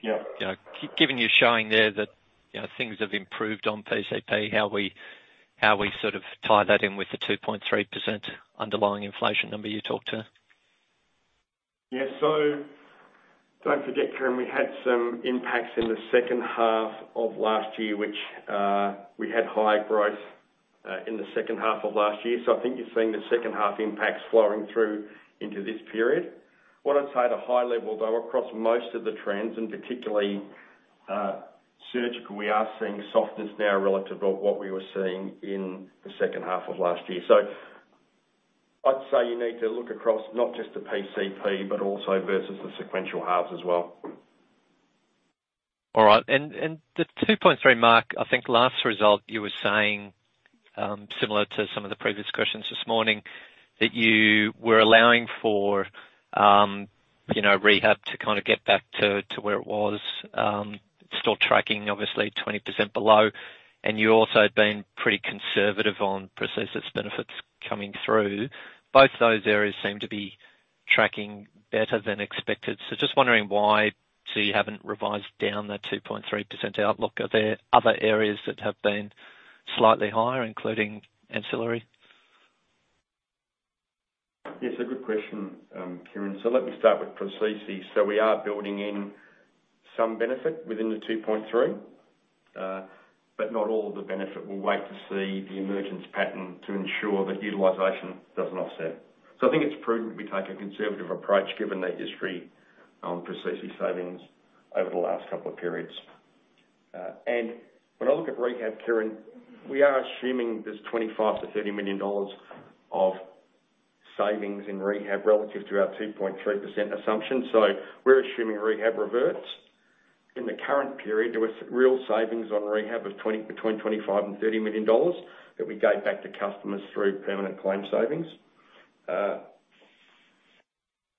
Yeah. You know, given you're showing there that, you know, things have improved on PCP, how we sort of tie that in with the 2.3% underlying inflation number you talked to? Yeah. Don't forget, Kieren, we had some impacts in the second half of last year, which we had high growth in the second half of last year. I think you're seeing the second half impacts flowing through into this period. What I'd say at a high level, though, across most of the trends, and particularly, surgical, we are seeing softness now relative to what we were seeing in the second half of last year. I'd say you need to look across not just the PCP, but also versus the sequential halves as well. All right. The 2.3%, Mark, I think last result you were saying, similar to some of the previous questions this morning, that you were allowing for, you know, rehab to kind of get back to where it was. Still tracking obviously 20% below, and you also have been pretty conservative on Precisely benefits coming through. Both those areas seem to be tracking better than expected. Just wondering why you haven't revised down the 2.3% outlook? Are there other areas that have been slightly higher, including ancillary? Yes, a good question, Kieran. Let me start with processes. We are building in some benefit within the 2.3%, but not all of the benefit. We'll wait to see the emergence pattern to ensure that utilization doesn't offset. I think it's prudent we take a conservative approach given the history on processes savings over the last couple of periods. When I look at rehab, Kieran, we are assuming there's 25 million-30 million dollars of savings in rehab relative to our 2.3% assumption. We're assuming rehab reverts. In the current period, there was real savings on rehab of between 25 million and 30 million dollars that we gave back to customers through permanent claim savings.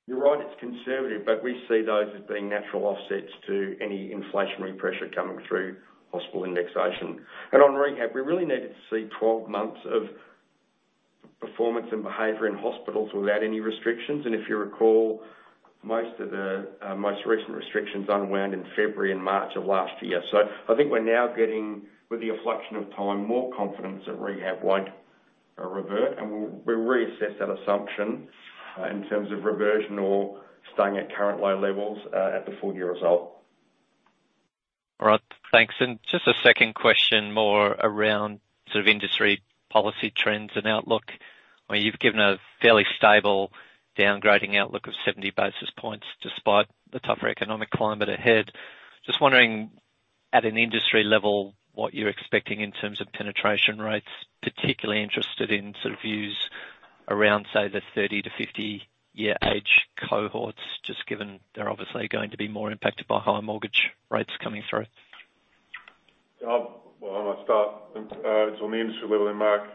You're right, it's conservative, but we see those as being natural offsets to any inflationary pressure coming through hospital indexation. On rehab, we really needed to see 12 months of performance and behavior in hospitals without any restrictions. If you recall, most of the most recent restrictions unwound in February and March of last year. I think we're now getting, with the inflection of time, more confidence that rehab won't revert, and we'll reassess that assumption in terms of reversion or staying at current low levels at the full-year result. All right, thanks. Just a second question more around sort of industry policy trends and outlook. I mean, you've given a fairly stable downgrading outlook of 70 basis points despite the tougher economic climate ahead. Just wondering, at an industry level, what you're expecting in terms of penetration rates, particularly interested in sort of views around, say, the 30–50 year age cohorts, just given they're obviously going to be more impacted by higher mortgage rates coming through? Well, I'm going to start. It's on the industry level, and Mark,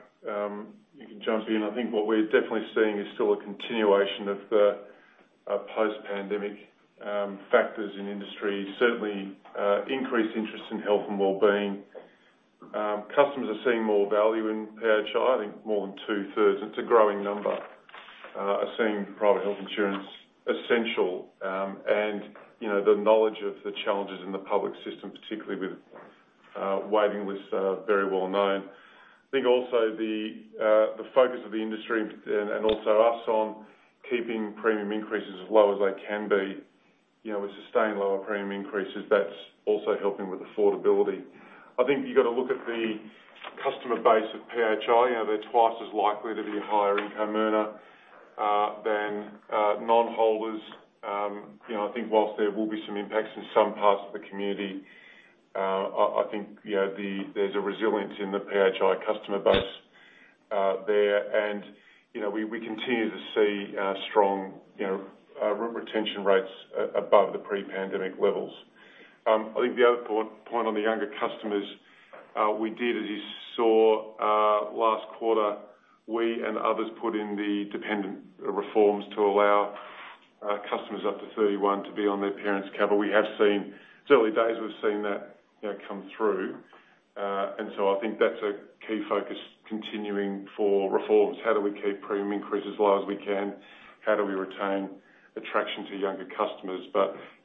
you can jump in. I think what we're definitely seeing is still a continuation of the post-pandemic factors in industry. Certainly, increased interest in health and wellbeing. Customers are seeing more value in PHI, I think more than 2/3. It's a growing number. Are seeing private Health Insurance essential, and, you know, the knowledge of the challenges in the public system, particularly with waiting lists, are very well known. I think also the focus of the industry and also us on keeping premium increases as low as they can be. You know, with sustained lower premium increases, that's also helping with affordability. I think you've got to look at the customer base of PHI. You know, they're twice as likely to be a higher income earner than non-holders. You know, I think whilst there will be some impacts in some parts of the community, I think, you know, there's a resilience in the PHI customer base there. You know, we continue to see strong, you know, retention rates above the pre-pandemic levels. I think the other point on the younger customers, we did, as you saw, last quarter, we and others put in the dependent reforms to allow customers up to 31 to be on their parents' cover. We have seen, certainly days we've seen that, you know, come through. I think that's a key focus continuing for reforms. How do we keep premium increases as low as we can? How do we retain attraction to younger customers?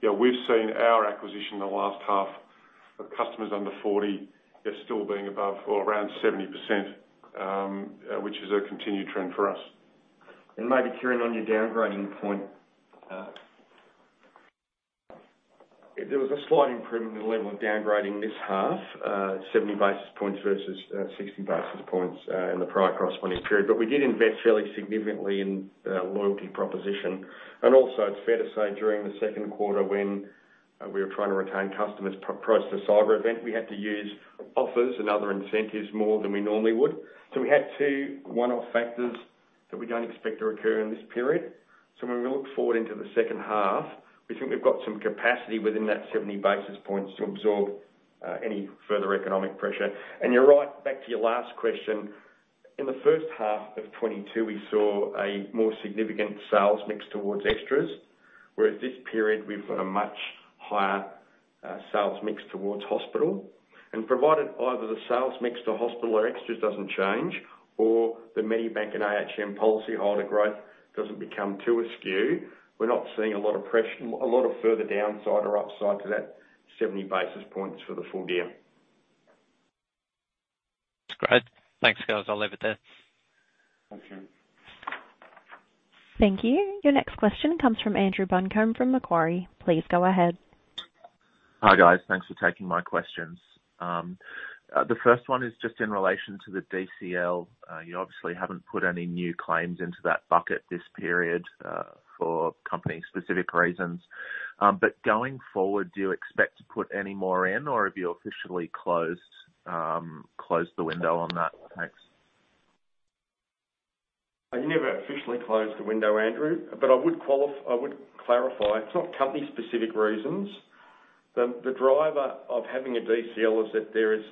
You know, we've seen our acquisition in the last half of customers under 40, they're still being above or around 70%, which is a continued trend for us. Maybe, Kieren, on your downgrading point. There was a slight improvement in the level of downgrading this half, 70 basis points versus 60 basis points in the prior corresponding period. We did invest fairly significantly in the loyalty proposition. Also, it's fair to say during the second quarter, when we were trying to retain customers post the cyber event, we had to use offers and other incentives more than we normally would. We had two one-off factors that we don't expect to recur in this period. When we look forward into the second half, we think we've got some capacity within that 70 basis points to absorb any further economic pressure. You're right, back to your last question. In the first half of 2022, we saw a more significant sales mix towards Extras, whereas this period we've got a much higher sales mix towards hospital. Provided either the sales mix to hospital or Extras doesn't change or the Medibank and ahm policyholder growth doesn't become too askew, we're not seeing a lot of further downside or upside to that 70 basis points for the full-year. That's great. Thanks, guys. I'll leave it there. Thank you. Thank you. Your next question comes from Andrew Buncombe from Macquarie. Please go ahead. Hi, guys. Thanks for taking my questions. The first one is just in relation to the DCL. You obviously haven't put any new claims into that bucket this period, for company specific reasons. Going forward, do you expect to put any more in or have you officially closed the window on that? Thanks. I never officially closed the window, Andrew, but I would clarify, it's not company specific reasons. The driver of having a DCL is that there is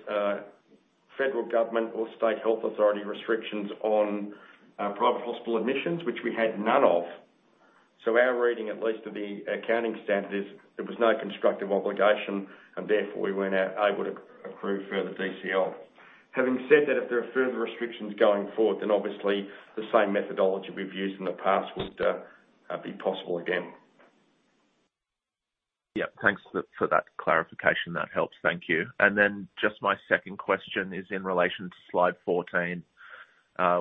federal, government, or state health authority restrictions on private hospital admissions, which we had none of. Our reading, at least of the accounting standard, is there was no constructive obligation and therefore we weren't able to accrue further DCL. Having said that, if there are further restrictions going forward, obviously the same methodology we've used in the past would be possible again. Yeah, thanks for that clarification. That helps. Thank you. Just my second question is in relation to slide 14,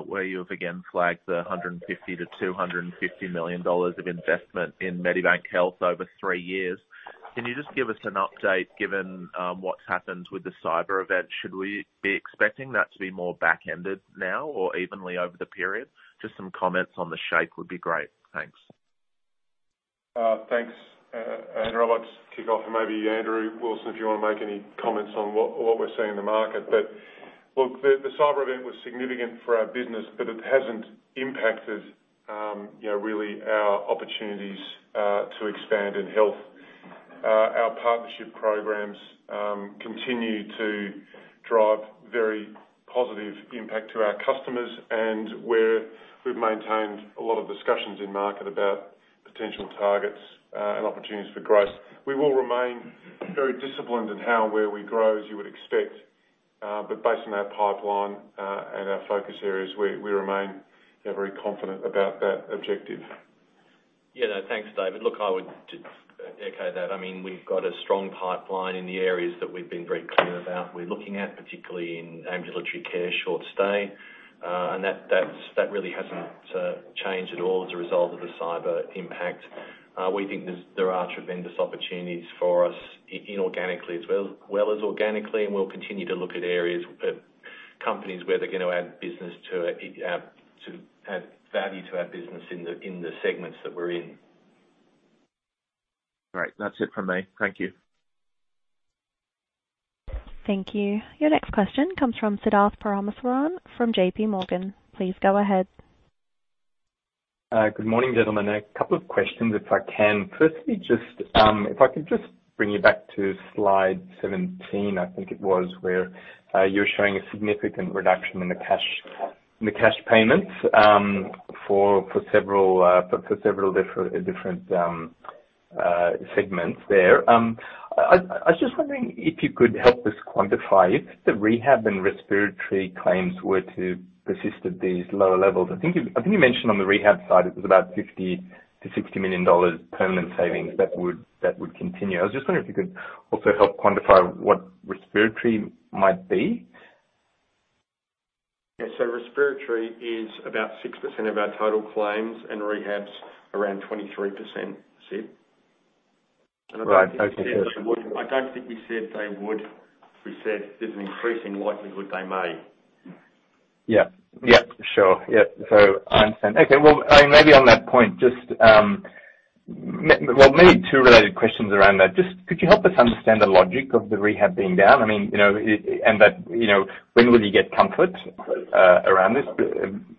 where you have again flagged the 150 million-250 million dollars of investment in Medibank Health over three years. Can you just give us an update, given what's happened with the cyber event? Should we be expecting that to be more back-ended now or evenly over the period? Just some comments on the shape would be great. Thanks. Thanks, Andrew. I'll just kick off and maybe Andrew Wilson, if you want to make any comments on what we're seeing in the market. Look, the cyber event was significant for our business, but it hasn't impacted, you know, really our opportunities to expand in health. Our partnership programs continue to drive very positive impact to our customers and where we've maintained a lot of discussions in market about potential targets and opportunities for growth. We will remain very disciplined in how and where we grow, as you would expect. Based on our pipeline and our focus areas, we remain, you know, very confident about that objective. No, thanks, David. I would just echo that. I mean, we've got a strong pipeline in the areas that we've been very clear about we're looking at, particularly in ambulatory care, short stay, and that really hasn't changed at all as a result of the cyber impact. We think there are tremendous opportunities for us inorganically as well as organically, and we'll continue to look at companies where they're gonna add business to add value to our business in the segments that we're in. Great. That's it from me. Thank you. Thank you. Your next question comes from Siddharth Parameswaran from JPMorgan. Please go ahead. Good morning, gentlemen. A couple of questions, if I can. If I could bring you back to slide 17, I think it was, where you're showing a significant reduction in the cash payments for several different segments there. I was just wondering if you could help us quantify if the rehab and respiratory claims were to persist at these lower levels. I think you mentioned on the rehab side it was about 50 million-60 million dollars permanent savings that would continue. I was just wondering if you could also help quantify what respiratory might be. Yeah, respiratory is about 6% of our total claims, and rehab's around 23%, Sid. Right. Okay. I don't think we said there's an increasing likelihood they may. Yeah. Yeah, sure. Yeah. I understand. Okay. Well, I mean, maybe on that point, just maybe two related questions around that. Just could you help us understand the logic of the rehab being down? I mean, you know, That, you know, when will you get comfort around this?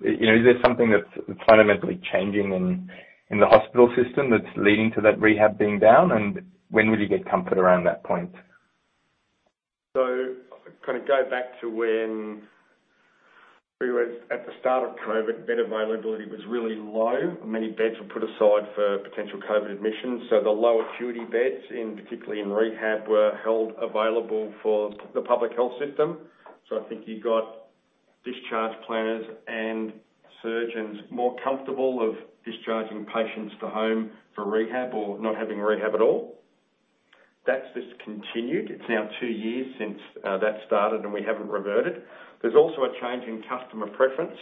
you know, is there something that's fundamentally changing in the hospital system that's leading to that rehab being down? When will you get comfort around that point? Kind of go back to when we were at the start of COVID, bed availability was really low. Many beds were put aside for potential COVID admissions. the low acuity beds, in particular in rehab, were held available for the public health system. I think you got discharge planners and surgeons more comfortable of discharging patients to home for rehab or not having rehab at all. That's just continued. It's now two years since that started, and we haven't reverted. There's also a change in customer preference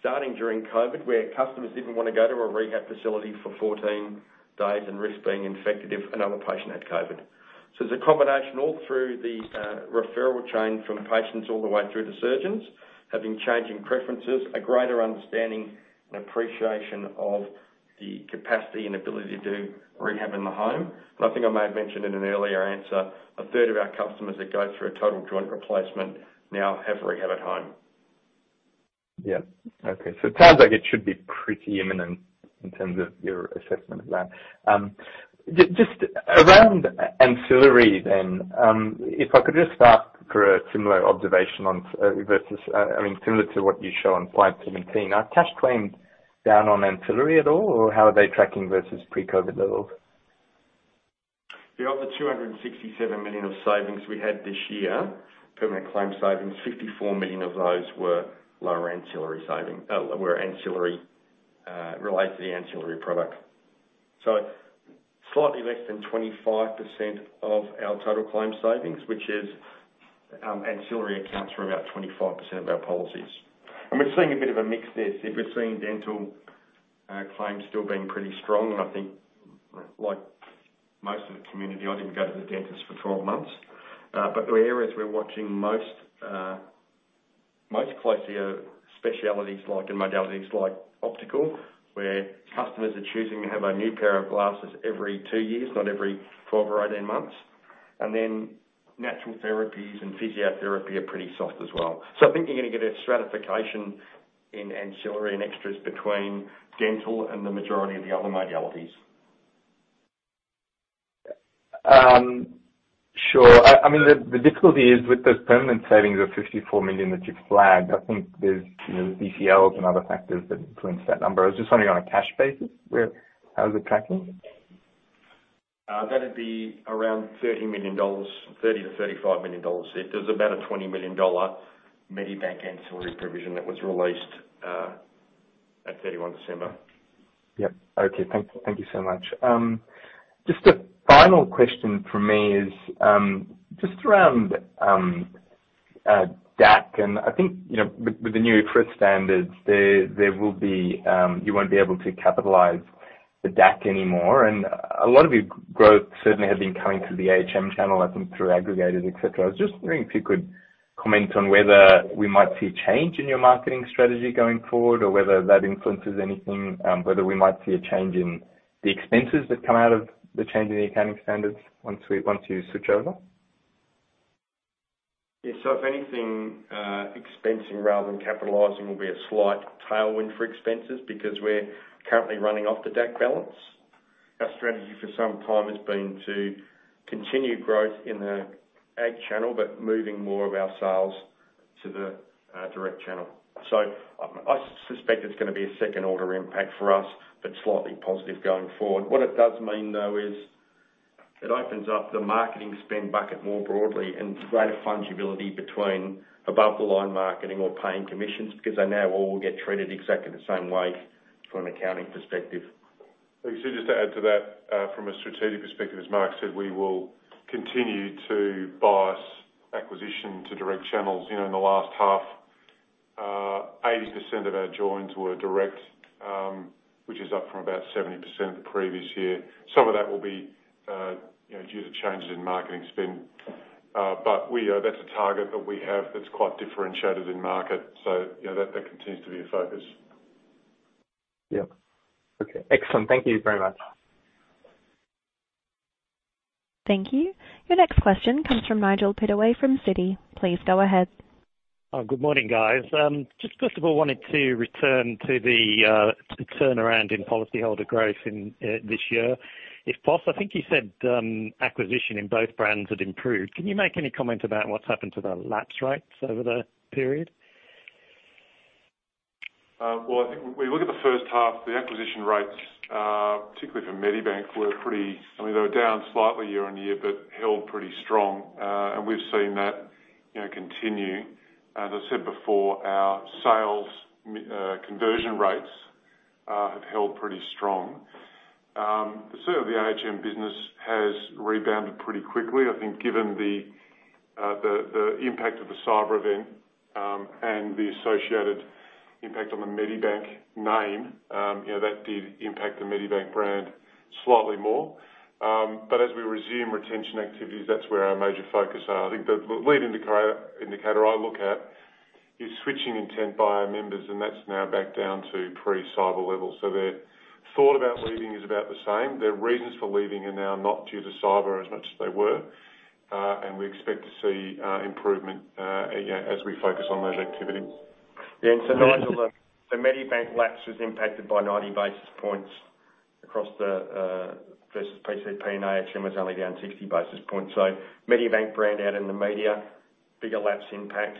starting during COVID, where customers didn't wanna go to a rehab facility for 14 days and risk being infected if another patient had COVID. There's a combination all through the referral chain from patients all the way through to surgeons having changing preferences, a greater understanding and appreciation of the capacity and ability to do rehab in the home. I think I may have mentioned in an earlier answer, 1/3 of our customers that go through a total joint replacement now have rehab at home. Yeah. Okay. It sounds like it should be pretty imminent in terms of your assessment of that. Just around ancillary then, if I could just ask for a similar observation on versus, I mean, similar to what you show on slide 17. Are cash claims down on ancillary at all, or how are they tracking versus pre-COVID levels? Yeah. Of the 267 million of savings we had this year, permanent claim savings, 54 million of those were lower ancillary, related to the ancillary product. Slightly less than 25% of our total claim savings, which is, ancillary accounts for about 25% of our policies. We're seeing a bit of a mix there, Sid. We're seeing dental claims still being pretty strong. I think like most of the community, I didn't go to the dentist for 12 months. But the areas we're watching most closely are specialties like, and modalities like optical, where customers are choosing to have a new pair of glasses every two years, not every 12 or 18 months. Natural therapies and physiotherapy are pretty soft as well. I think you're going to get a stratification in ancillary and Extras between dental and the majority of the other modalities. Sure. I mean, the difficulty is with those permanent savings of 54 million that you've flagged, I think there's, you know, DCLs and other factors that influence that number. I was just wondering on a cash basis how is it tracking? That'd be around 30 million dollars, 30 million-35 million dollars. There's about a 20 million dollar Medibank ancillary provision that was released, at 31 December. Yep. Okay. Thank you so much. Just a final question from me is, just around DAC, and I think, you know, with the new IFRS standards, there will be, you won't be able to capitalize the DAC anymore. A lot of your growth certainly has been coming through the ahm channel, I think through aggregators, et cetera. I was just wondering if you could comment on whether we might see a change in your marketing strategy going forward or whether that influences anything, whether we might see a change in the expenses that come out of the change in the accounting standards once you switch over? Yeah. If anything, expensing rather than capitalizing will be a slight tailwind for expenses because we're currently running off the DAC balance. Our strategy for some time has been to continue growth in the ag channel, but moving more of our sales to the direct channel. I suspect it's going to be a second order impact for us, but slightly positive going forward. What it does mean, though, is it opens up the marketing spend bucket more broadly and greater fungibility between above the line marketing or paying commissions because they now all get treated exactly the same way from an accounting perspective. Just to add to that, from a strategic perspective, as Mark said, we will continue to bias acquisition to direct channels. You know, in the last half, 80% of our joins were direct, which is up from about 70% the previous year. Some of that will be, you know, due to changes in marketing spend. But we, that's a target that we have that's quite differentiated in market. You know, that continues to be a focus. Yep. Okay. Excellent. Thank you very much. Thank you. Your next question comes from Nigel Pittaway from Citi. Please go ahead. Good morning, guys. Just first of all wanted to return to the turnaround in policyholder growth in this year. If possible, I think you said acquisition in both brands had improved. Can you make any comment about what's happened to the lapse rates over the period? Well, I think when we look at the first half, the acquisition rates, particularly for Medibank, were down slightly year-on-year, but held pretty strong. We've seen that, you know, continue. As I said before, our sales conversion rates have held pretty strong. Certainly the ahm business has rebounded pretty quickly. I think given the impact of the cyber event, and the associated impact on the Medibank name, you know, that did impact the Medibank brand slightly more. As we resume retention activities, that's where our major focus are. I think the lead indicator I look at is switching intent by our members, and that's now back down to pre-cyber levels. Their thought about leaving is about the same. Their reasons for leaving are now not due to cyber as much as they were. We expect to see improvement as we focus on those activities. Yeah. Nigel, the Medibank lapse was impacted by 90 basis points across the versus PCP, and IHM was only down 60 basis points. Medibank brand out in the media, bigger lapse impact.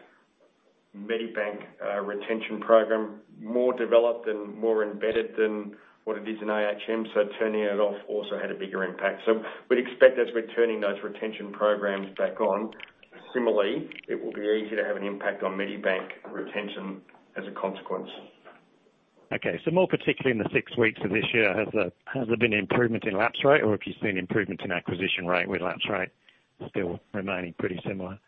Medibank retention program, more developed and more embedded than what it is in IHM, turning it off also had a bigger impact. We'd expect as we're turning those retention programs back on, similarly, it will be easy to have an impact on Medibank retention as a consequence. Okay. More particularly in the six weeks of this year, has there been an improvement in lapse rate? Or if you've seen improvements in acquisition rate with lapse rate still remaining pretty similar?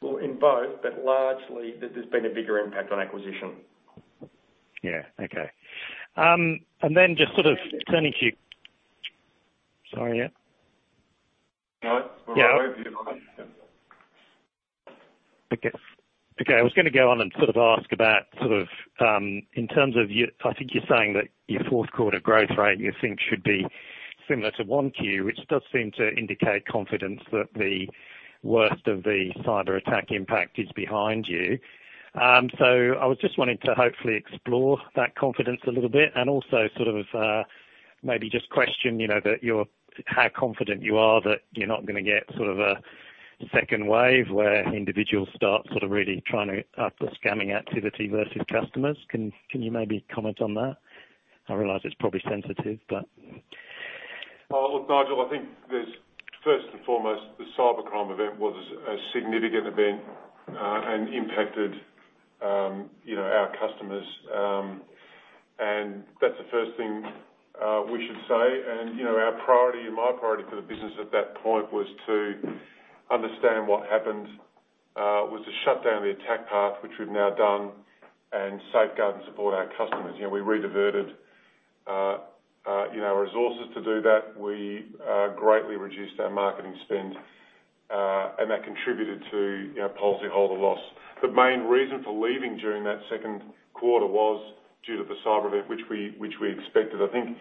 Well, in both, but largely there's been a bigger impact on acquisition. Yeah. Okay. just sort of turning to—sorry, yeah? No, we're all ears. Okay. Okay, I was gonna go on and sort of ask about sort of, in terms of I think you're saying that your fourth quarter growth rate you think should be similar to 1Q, which does seem to indicate confidence that the worst of the cyberattack impact is behind you. I was just wanting to hopefully explore that confidence a little bit and also sort of, maybe just question, you know, how confident you are that you're not gonna get sort of a second wave where individuals start sort of really trying to up their scamming activity versus customers. Can you maybe comment on that? I realize it's probably sensitive, but. Look, Nigel, I think there's first and foremost, the cybercrime event was a significant event, and impacted, you know, our customers. That's the first thing we should say. You know, our priority and my priority for the business at that point was to understand what happened, was to shut down the attack path, which we've now done, and safeguard and support our customers. You know, we rediverted, you know, resources to do that. We greatly reduced our marketing spend, that contributed to, you know, policyholder loss. The main reason for leaving during that second quarter was due to the cyber event, which we expected. I think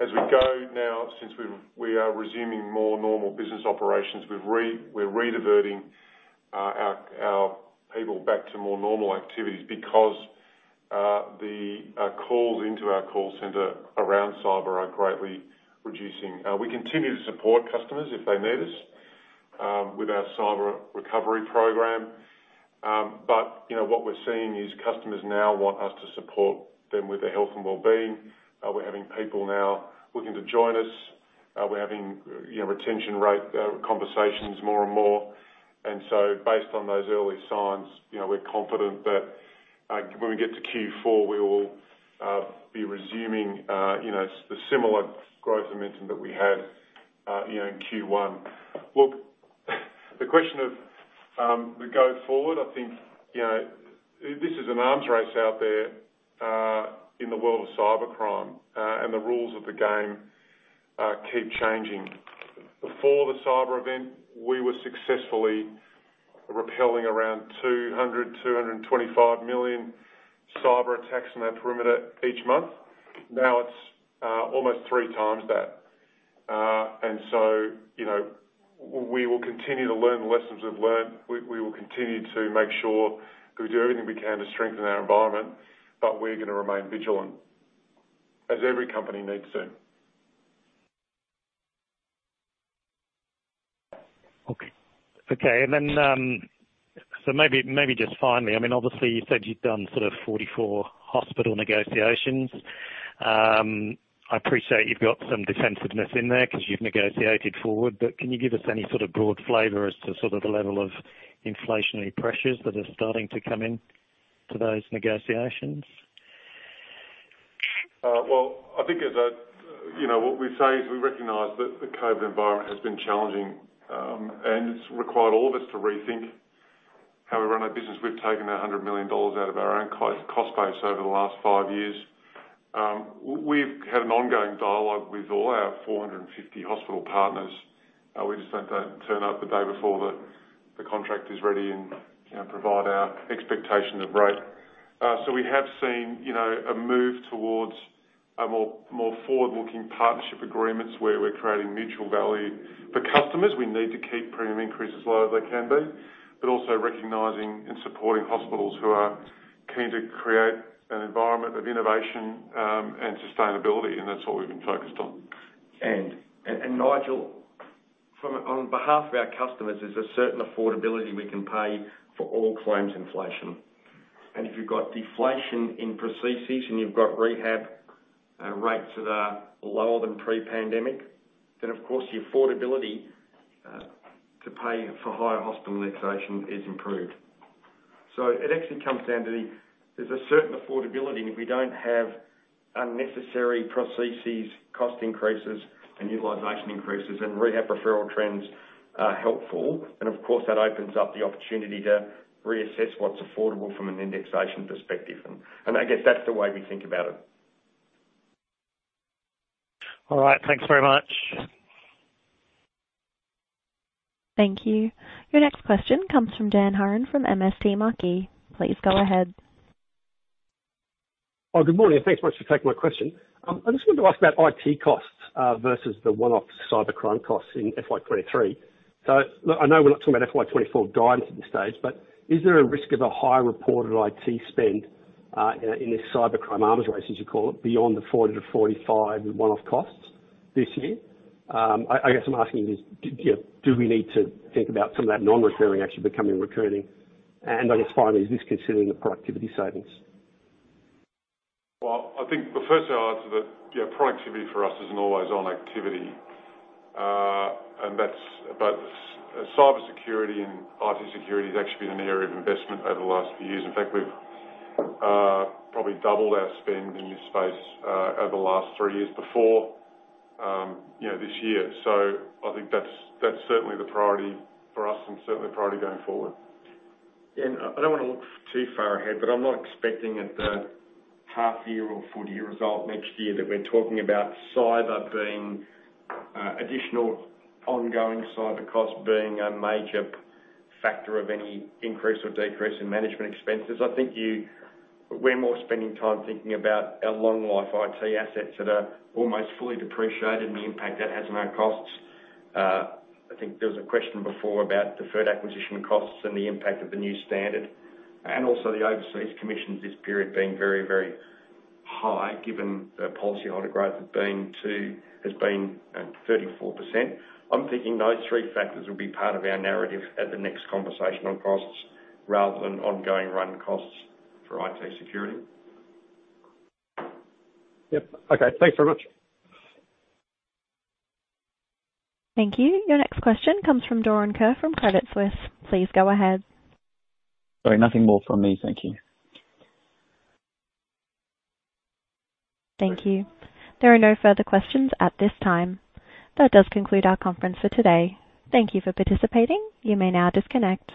as we go now, since we are resuming more normal business operations, we're rediverting our people back to more normal activities because the calls into our call center around cyber are greatly reducing. We continue to support customers if they need us with our cyber recovery program. You know, what we're seeing is customers now want us to support them with their health and wellbeing. We're having people now looking to join us. We're having, you know, retention rate conversations more and more. Based on those early signs, you know, we're confident that when we get to Q4, we will be resuming, you know, the similar growth momentum that we had, you know, in Q1. Look, the question of the go forward. I think, you know, this is an arms race out there, in the world of cybercrime, and the rules of the game, keep changing. Before the cyber event, we were successfully repelling around 200, 225 million cyber attacks on our perimeter each month. Now it's almost 3x that. You know, we will continue to learn the lessons we've learned. We will continue to make sure we do everything we can to strengthen our environment, but we're gonna remain vigilant as every company needs to. Maybe just finally, I mean, obviously you said you've done sort of 44 hospital negotiations. I appreciate you've got some defensiveness in there 'cause you've negotiated forward, but can you give us any sort of broad flavor as to sort of the level of inflationary pressures that are starting to come into those negotiations? Well, I think as a—you know, what we say is we recognize that the COVID environment has been challenging, and it's required all of us to rethink how we run our business. We've taken 100 million dollars out of our own cost base over the last five years. We've had an ongoing dialogue with all our 450 hospital partners. We just don't turn up the day before the contract is ready and, you know, provide our expectation of rate. We have seen, you know, a move towards a more forward-looking partnership agreements where we're creating mutual value. For customers, we need to keep premium increases as low as they can be, but also recognizing and supporting hospitals who are keen to create an environment of innovation, and sustainability, and that's what we've been focused on. Nigel, on behalf of our customers, there's a certain affordability we can pay for all claims inflation. If you've got deflation in processes and you've got rehab rates that are lower than pre-pandemic, then of course the affordability to pay for higher hospital indexation is improved. It actually comes down to the—there's a certain affordability, and if we don't have unnecessary processes, cost increases, and utilization increases, then rehab referral trends are helpful. Of course, that opens up the opportunity to reassess what's affordable from an indexation perspective. I guess that's the way we think about it. All right. Thanks very much. Thank you. Your next question comes from Dan Hurren from MST Marquee. Please go ahead. Good morning, and thanks much for taking my question. I just wanted to ask about IT costs versus the one-off cybercrime costs in FY 2023. Look, I know we're not talking about FY 2024 guidance at this stage, but is there a risk of a higher reported IT spend in this cybercrime arms race, as you call it, beyond the 40–45 one-off costs this year? I guess I'm asking is, do you know, do we need to think about some of that non-recurring actually becoming recurring? I guess finally, is this considering the productivity savings? I think the first I'll answer that, yeah, productivity for us is an always-on activity. Cybersecurity and IT security has actually been an area of investment over the last few years. In fact, we've probably doubled our spend in this space over the last three years before, you know, this year. I think that's certainly the priority for us and certainly priority going forward. I don't want to look too far ahead, I'm not expecting at the half-year or full-year result next year that we're talking about cyber being additional ongoing cyber costs being a major factor of any increase or decrease in management expenses. I think we're more spending time thinking about our long life IT assets that are almost fully depreciated and the impact that has on our costs. I think there was a question before about deferred acquisition costs and the impact of the new standard, the overseas commissions this period being very, very high given the policyholder growth has been 34%. I'm thinking those three factors will be part of our narrative at the next conversation on costs rather than ongoing run costs for IT security. Yep. Okay. Thanks very much. Thank you. Your next question comes from Doron Kur from Credit Suisse. Please go ahead. Sorry, nothing more from me. Thank you. Thank you. There are no further questions at this time. That does conclude our conference for today. Thank you for participating. You may now disconnect.